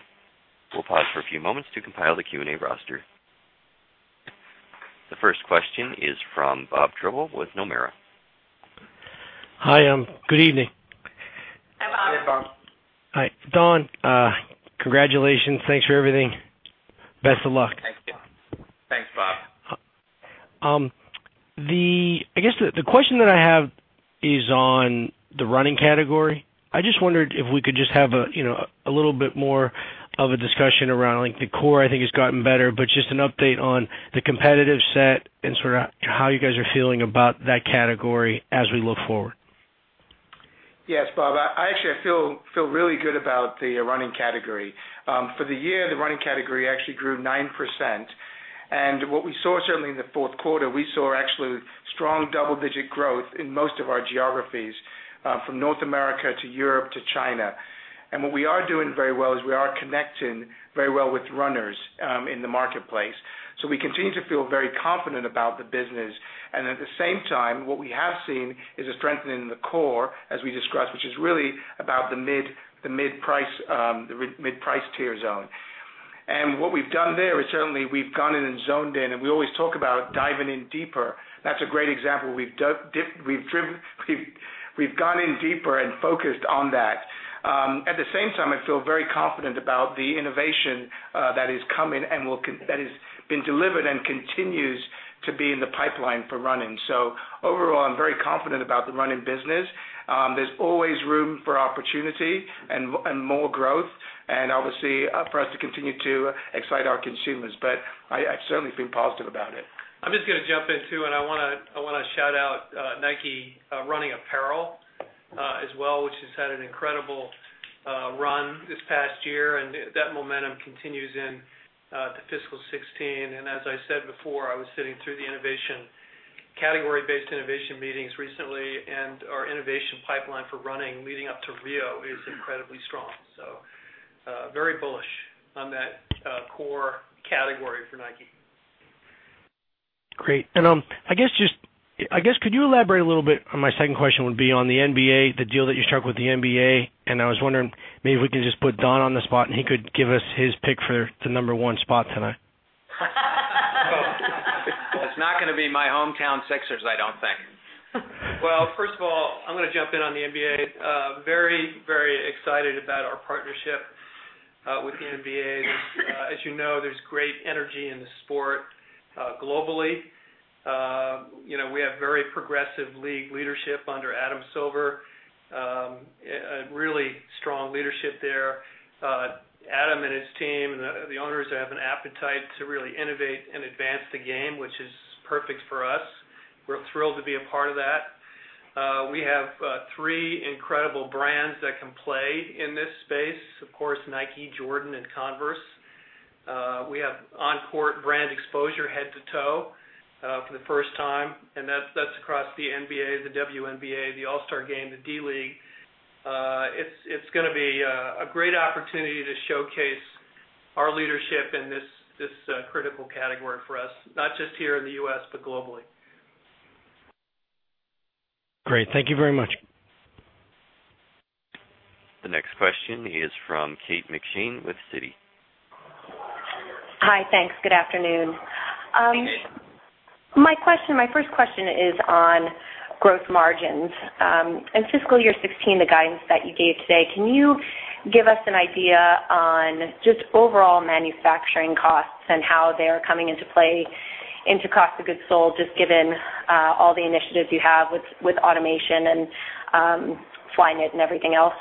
We'll pause for a few moments to compile the Q&A roster. The first question is from Robert Drbul with Nomura. Hi, good evening. Hi, Bob. Hi, Don. Congratulations. Thanks for everything. Best of luck. Thanks, Bob. I guess, the question that I have is on the running category. I just wondered if we could just have a little bit more of a discussion around, like, the core, I think has gotten better, but just an update on the competitive set and sort of how you guys are feeling about that category as we look forward. Yes, Bob, I actually feel really good about the running category. For the year, the running category actually grew 9%. What we saw certainly in the fourth quarter, we saw actually strong double-digit growth in most of our geographies, from North America to Europe to China. What we are doing very well is we are connecting very well with runners in the marketplace. We continue to feel very confident about the business. At the same time, what we have seen is a strengthening in the core, as we discussed, which is really about the mid-price tier zone. What we've done there is certainly we've gone in and zoned in, and we always talk about diving in deeper. That's a great example. We've gone in deeper and focused on that. At the same time, I feel very confident about the innovation that has come and that has been delivered and continues to be in the pipeline for running. Overall, I'm very confident about the running business. There's always room for opportunity and more growth and obviously for us to continue to excite our consumers, but I certainly feel positive about it. I'm just going to jump in, too, and I want to shout out Nike Running Apparel as well, which has had an incredible run this past year, and that momentum continues into fiscal 2016. As I said before, I was sitting through the category-based innovation meetings recently, our innovation pipeline for running leading up to Rio is incredibly strong. Very bullish on that core category for Nike. Great. I guess, could you elaborate a little bit on, my second question would be on the NBA, the deal that you struck with the NBA, and I was wondering maybe if we could just put Don on the spot, and he could give us his pick for the number one spot tonight. It's not going to be my hometown Sixers, I don't think. First of all, I'm going to jump in on the NBA. Very excited about our partnership with the NBA. As you know, there's great energy in the sport globally. Very progressive league leadership under Adam Silver. Really strong leadership there. Adam and his team, the owners, have an appetite to really innovate and advance the game, which is perfect for us. We're thrilled to be a part of that. We have three incredible brands that can play in this space. Of course, Nike, Jordan, and Converse. We have on-court brand exposure head to toe for the first time, and that's across the NBA, the WNBA, the All-Star Game, the D-League. It's going to be a great opportunity to showcase our leadership in this critical category for us, not just here in the U.S., but globally. Great. Thank you very much. The next question is from Kate McShane with Citi. Hi. Thanks. Good afternoon. My first question is on gross margins. In FY 2016, the guidance that you gave today, can you give us an idea on just overall manufacturing costs and how they are coming into play into cost of goods sold, just given all the initiatives you have with automation and Flyknit and everything else?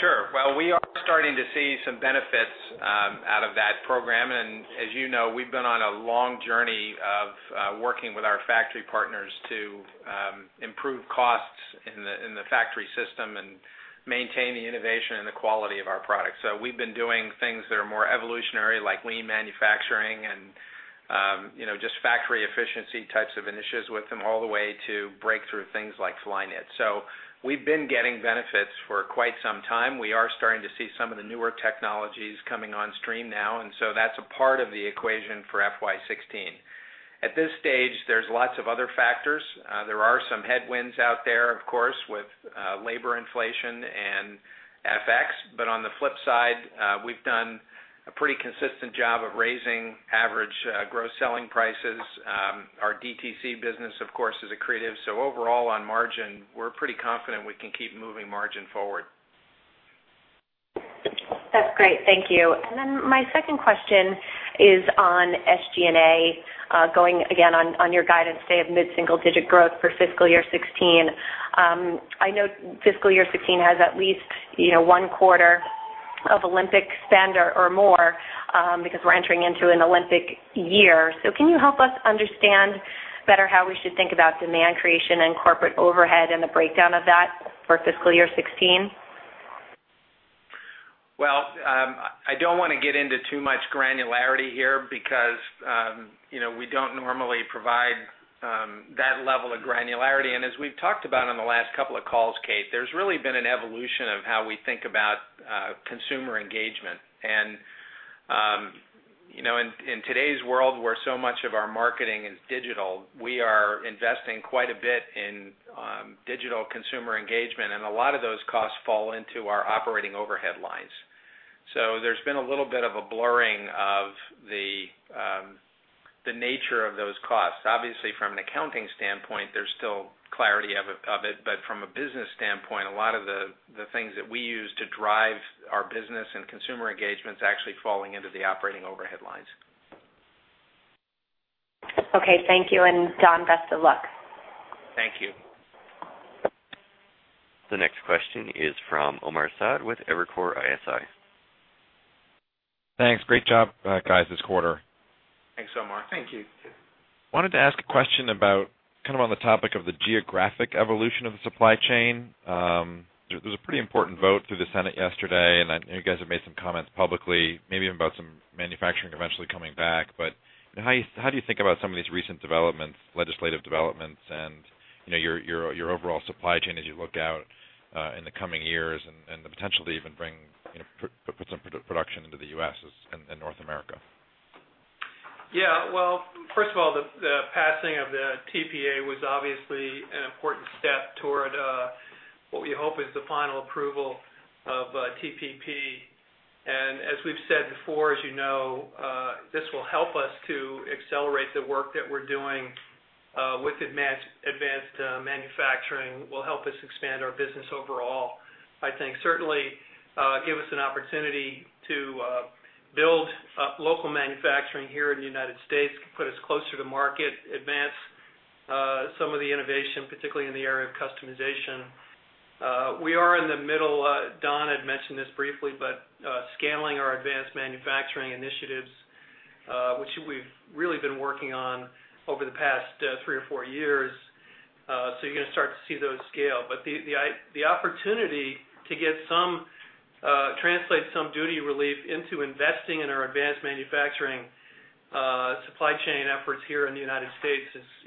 Sure. Well, we are starting to see some benefits out of that program. As you know, we've been on a long journey of working with our factory partners to improve costs in the factory system and maintain the innovation and the quality of our products. We've been doing things that are more evolutionary, like lean manufacturing and just factory efficiency types of initiatives with them all the way to breakthrough things like Flyknit. We've been getting benefits for quite some time. We are starting to see some of the newer technologies coming on stream now, that's a part of the equation for FY 2016. At this stage, there's lots of other factors. There are some headwinds out there, of course, with labor inflation and FX. On the flip side, we've done a pretty consistent job of raising average gross selling prices. Our DTC business, of course, is accretive. Overall, on margin, we're pretty confident we can keep moving margin forward. That's great. Thank you. My second question is on SG&A, going again on your guidance today of mid-single-digit growth for FY 2016. I know FY 2016 has at least one quarter of Olympic spend or more, because we're entering into an Olympic year. Can you help us understand better how we should think about demand creation and corporate overhead and the breakdown of that for FY 2016? I don't want to get into too much granularity here because we don't normally provide that level of granularity. As we've talked about on the last couple of calls, Kate, there's really been an evolution of how we think about consumer engagement. In today's world, where so much of our marketing is digital, we are investing quite a bit in digital consumer engagement, and a lot of those costs fall into our operating overhead lines. There's been a little bit of a blurring of the nature of those costs. Obviously, from an accounting standpoint, there's still clarity of it. From a business standpoint, a lot of the things that we use to drive our business and consumer engagements actually falling into the operating overhead lines. Okay. Thank you. Don, best of luck. Thank you. The next question is from Omar Saad with Evercore ISI. Thanks. Great job, guys, this quarter. Thanks, Omar. Thank you. Wanted to ask a question about kind of on the topic of the geographic evolution of the supply chain. There was a pretty important vote through the Senate yesterday, and I know you guys have made some comments publicly, maybe even about some manufacturing eventually coming back. How do you think about some of these recent developments, legislative developments, and your overall supply chain as you look out in the coming years and the potential to even put some production into the U.S. and North America? Yeah. First of all, the passing of the TPA was obviously an important step toward what we hope is the final approval of TPP. As we've said before, as you know, this will help us to accelerate the work that we're doing with advanced manufacturing, will help us expand our business overall. I think certainly give us an opportunity to build local manufacturing here in the U.S., put us closer to market, advance some of the innovation, particularly in the area of customization. We are in the middle, Don had mentioned this briefly, but scaling our advanced manufacturing initiatives, which we've really been working on over the past three or four years. You're going to start to see those scale. The opportunity to translate some duty relief into investing in our advanced manufacturing supply chain efforts here in the U.S.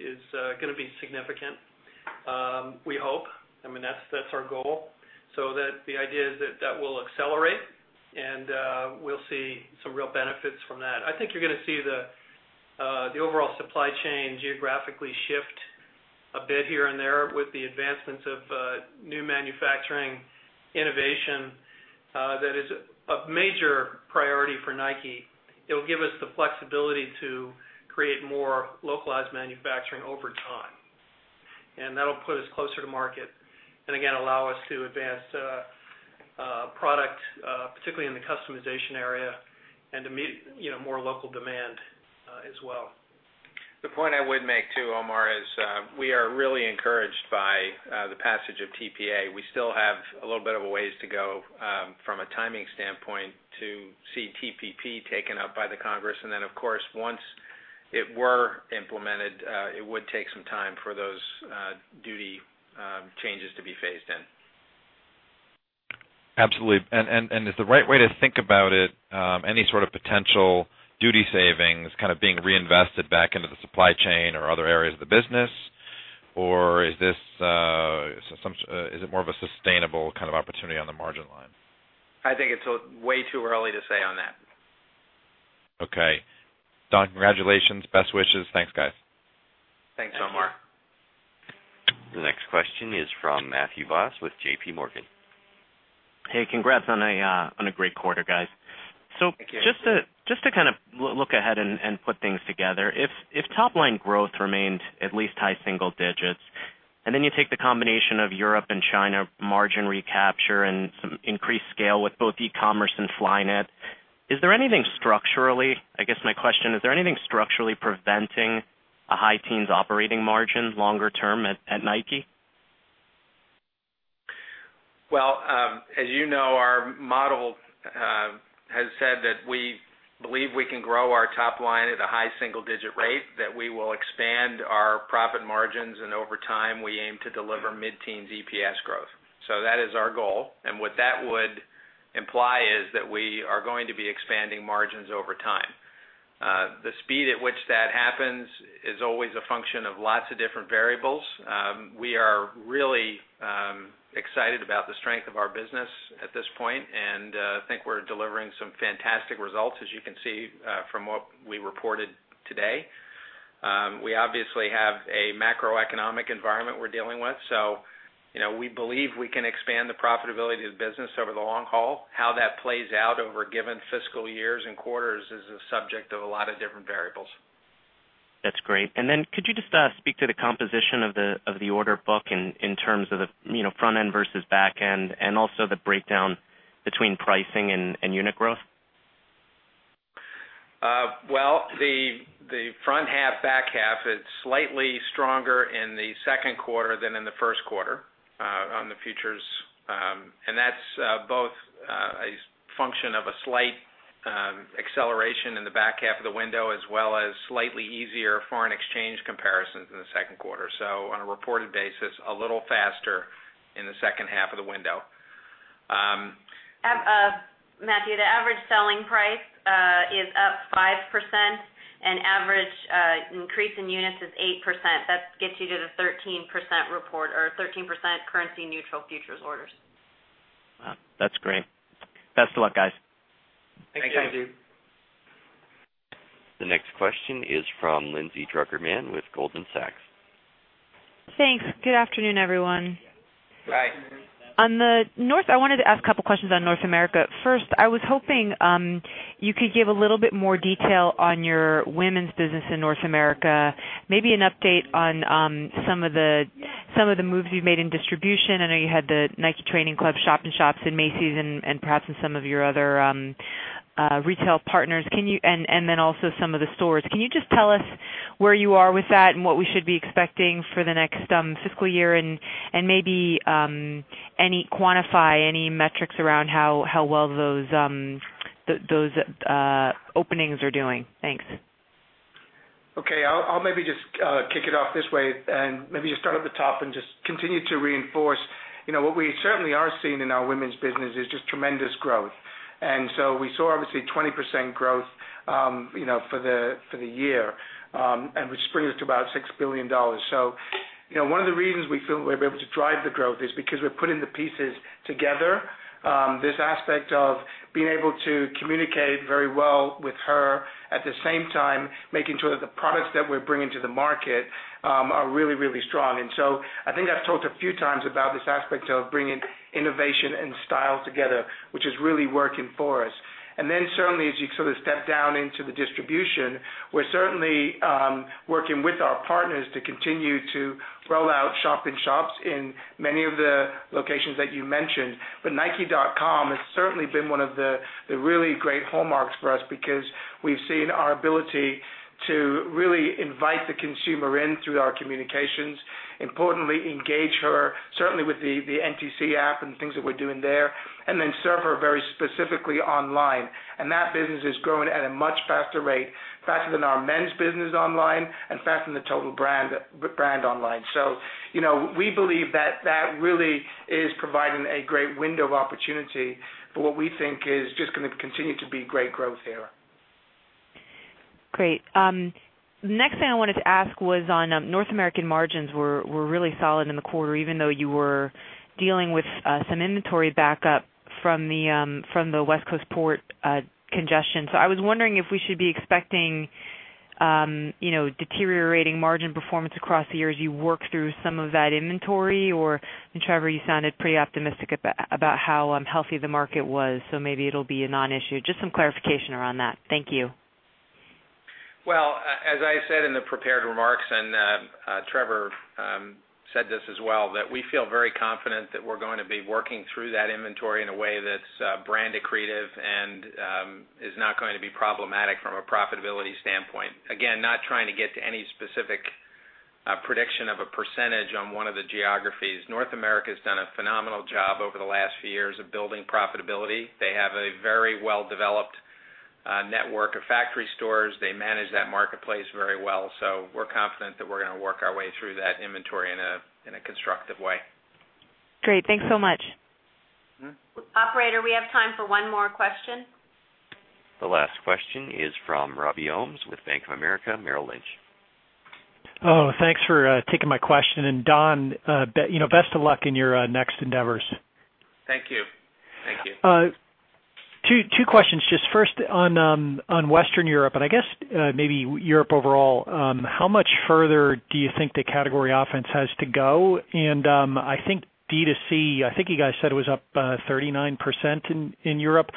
is going to be significant, we hope. That's our goal. The idea is that that will accelerate, and we'll see some real benefits from that. I think you're going to see the overall supply chain geographically shift a bit here and there with the advancements of new manufacturing innovation. That is a major priority for Nike. It'll give us the flexibility to create more localized manufacturing over time. That'll put us closer to market, and again, allow us to advance product, particularly in the customization area, and to meet more local demand as well. The point I would make, too, Omar, is we are really encouraged by the passage of TPA. We still have a little bit of a ways to go from a timing standpoint to see TPP taken up by the Congress. Then, of course, once it were implemented, it would take some time for those duty changes to be phased in. Absolutely. Is the right way to think about it any sort of potential duty savings kind of being reinvested back into the supply chain or other areas of the business? Or is it more of a sustainable kind of opportunity on the margin line? I think it's way too early to say on that. Okay. Don, congratulations. Best wishes. Thanks, guys. Thanks, Omar. The next question is from Matthew Boss with JPMorgan. Hey, congrats on a great quarter, guys. Thank you. Just to look ahead and put things together, if top line growth remained at least high single digits, and then you take the combination of Europe and China margin recapture and some increased scale with both e-commerce and Flyknit, is there anything structurally, I guess my question, is there anything structurally preventing a high teens operating margin longer term at Nike? Well, as you know, our model has said that we believe we can grow our top line at a high single-digit rate, that we will expand our profit margins, and over time, we aim to deliver mid-teens EPS growth. That is our goal. What that would imply is that we are going to be expanding margins over time. The speed at which that happens is always a function of lots of different variables. We are really excited about the strength of our business at this point, and I think we're delivering some fantastic results, as you can see from what we reported today. We obviously have a macroeconomic environment we're dealing with, so we believe we can expand the profitability of the business over the long haul. How that plays out over given fiscal years and quarters is a subject of a lot of different variables. That's great. Could you just speak to the composition of the order book in terms of the front end versus back end, and also the breakdown between pricing and unit growth? Well, the front half, back half, it's slightly stronger in the second quarter than in the first quarter on the futures. That's both a function of a slight acceleration in the back half of the window, as well as slightly easier foreign exchange comparisons in the second quarter. On a reported basis, a little faster in the second half of the window. Matthew, the average selling price is up 5%, and average increase in units is 8%. That gets you to the 13% report or 13% currency neutral futures orders. Wow. That's great. Best of luck, guys. Thanks, Matthew. The next question is from Lindsay Drucker Mann with Goldman Sachs. Thanks. Good afternoon, everyone. Hi. I wanted to ask a couple questions on North America. First, I was hoping you could give a little bit more detail on your women's business in North America. Maybe an update on some of the moves you've made in distribution. I know you had the Nike Training Club shop in shops in Macy's and perhaps in some of your other retail partners. Also some of the stores. Can you just tell us where you are with that and what we should be expecting for the next fiscal year and maybe quantify any metrics around how well those openings are doing? Thanks. Okay. I'll maybe just kick it off this way and maybe just start at the top and just continue to reinforce. What we certainly are seeing in our women's business is just tremendous growth. We saw obviously 20% growth for the year, which brings us to about $6 billion. One of the reasons we feel we're able to drive the growth is because we're putting the pieces together. This aspect of being able to communicate very well with her, at the same time, making sure that the products that we're bringing to the market are really, really strong. I think I've talked a few times about this aspect of bringing innovation and style together, which is really working for us. Certainly, as you sort of step down into the distribution, we're certainly working with our partners to continue to roll out shop in shops in many of the locations that you mentioned. nike.com has certainly been one of the really great hallmarks for us because we've seen our ability to really invite the consumer in through our communications, importantly engage her, certainly with the NTC app and things that we're doing there, and then serve her very specifically online. That business is growing at a much faster rate, faster than our men's business online and faster than the total brand online. We believe that that really is providing a great window of opportunity for what we think is just going to continue to be great growth here. Great. Next thing I wanted to ask was on North American margins were really solid in the quarter, even though you were dealing with some inventory backup from the West Coast port congestion. I was wondering if we should be expecting deteriorating margin performance across the year as you work through some of that inventory, or Trevor, you sounded pretty optimistic about how healthy the market was, so maybe it'll be a non-issue. Just some clarification around that. Thank you. Well, as I said in the prepared remarks, and Trevor said this as well, that we feel very confident that we're going to be working through that inventory in a way that's brand accretive and is not going to be problematic from a profitability standpoint. Again, not trying to get to any specific prediction of a percentage on one of the geographies. North America's done a phenomenal job over the last few years of building profitability. They have a very well-developed network of factory stores. They manage that marketplace very well. We're confident that we're going to work our way through that inventory in a constructive way. Great. Thanks so much. Operator, we have time for one more question. The last question is from Robert Ohmes with Bank of America Merrill Lynch. Oh, thanks for taking my question. Don, best of luck in your next endeavors. Thank you. Two questions. Just first on Western Europe, and I guess maybe Europe overall. How much further do you think the category offense has to go? I think DTC, I think you guys said it was up 39% in Europe.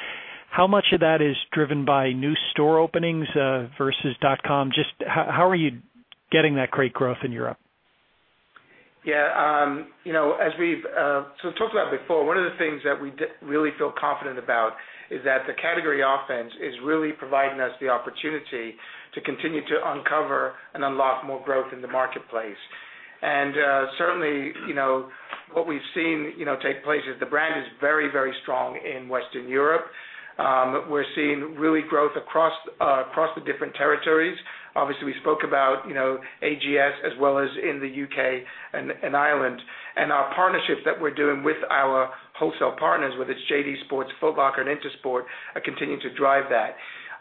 How much of that is driven by new store openings versus dotcom? Just how are you getting that great growth in Europe? I talked about it before, one of the things that we really feel confident about is that the category offense is really providing us the opportunity to continue to uncover and unlock more growth in the marketplace. Certainly, what we've seen take place is the brand is very strong in Western Europe. We're seeing, really, growth across the different territories. Obviously, we spoke about AGS as well as in the U.K. and Ireland. Our partnerships that we're doing with our wholesale partners, whether it's JD Sports, Foot Locker, and Intersport, are continuing to drive that.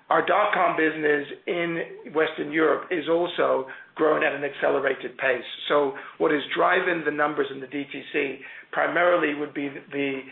Our dotcom business in Western Europe is also growing at an accelerated pace. What is driving the numbers in the DTC primarily would be the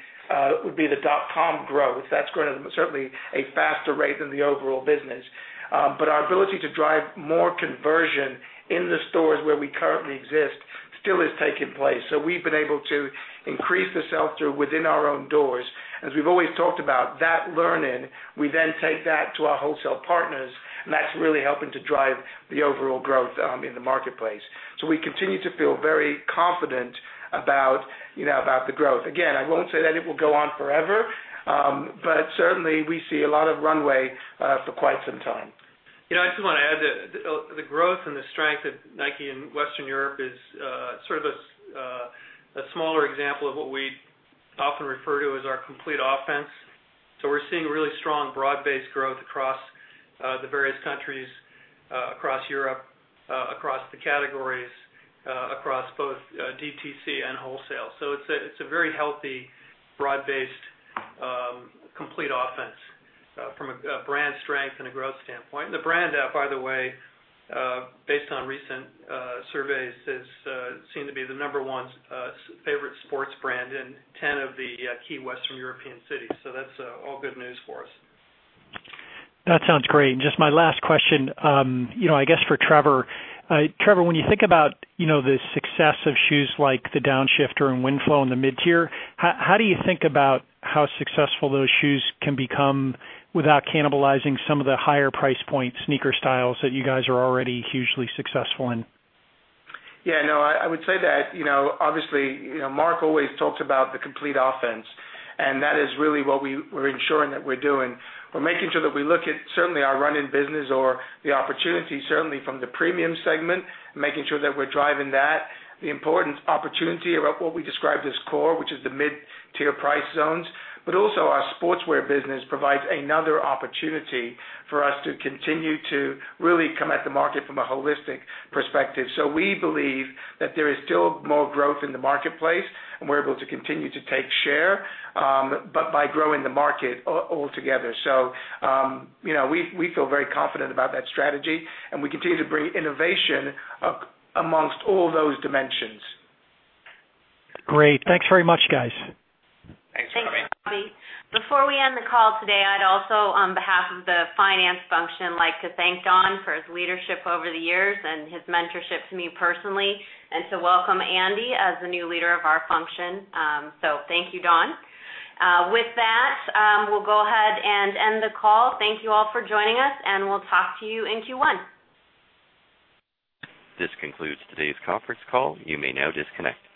dotcom growth. That's growing at certainly a faster rate than the overall business. Our ability to drive more conversion in the stores where we currently exist still is taking place. We've been able to increase the sell-through within our own doors. As we've always talked about, that learning, we then take that to our wholesale partners, and that's really helping to drive the overall growth in the marketplace. We continue to feel very confident about the growth. Again, I won't say that it will go on forever. Certainly, we see a lot of runway for quite some time. I just want to add that the growth and the strength of Nike in Western Europe is sort of a smaller example of what we often refer to as our complete offense. We're seeing really strong broad-based growth across the various countries, across Europe, across the categories, across both DTC and wholesale. It's a very healthy, broad-based, complete offense from a brand strength and a growth standpoint. The brand, by the way, based on recent surveys, has seemed to be the number 1 favorite sports brand in 10 of the key Western European cities. That's all good news for us. That sounds great. Just my last question, I guess for Trevor. Trevor, when you think about the success of shoes like the Downshifter and Winflo in the mid-tier, how do you think about how successful those shoes can become without cannibalizing some of the higher price point sneaker styles that you guys are already hugely successful in? Yeah, no, I would say that, obviously, Mark always talks about the complete offense, and that is really what we're ensuring that we're doing. We're making sure that we look at certainly our running business or the opportunity certainly from the premium segment, making sure that we're driving that. The important opportunity about what we describe as core, which is the mid-tier price zones. Also our sportswear business provides another opportunity for us to continue to really come at the market from a holistic perspective. We believe that there is still more growth in the marketplace, and we're able to continue to take share, but by growing the market altogether. We feel very confident about that strategy, and we continue to bring innovation amongst all those dimensions. Great. Thanks very much, guys. Thanks, Robbie. Thanks, Robbie. Before we end the call today, I'd also, on behalf of the finance function, like to thank Don for his leadership over the years and his mentorship to me personally, and to welcome Andy as the new leader of our function. Thank you, Don. With that, we'll go ahead and end the call. Thank you all for joining us. We'll talk to you in Q1. This concludes today's conference call. You may now disconnect.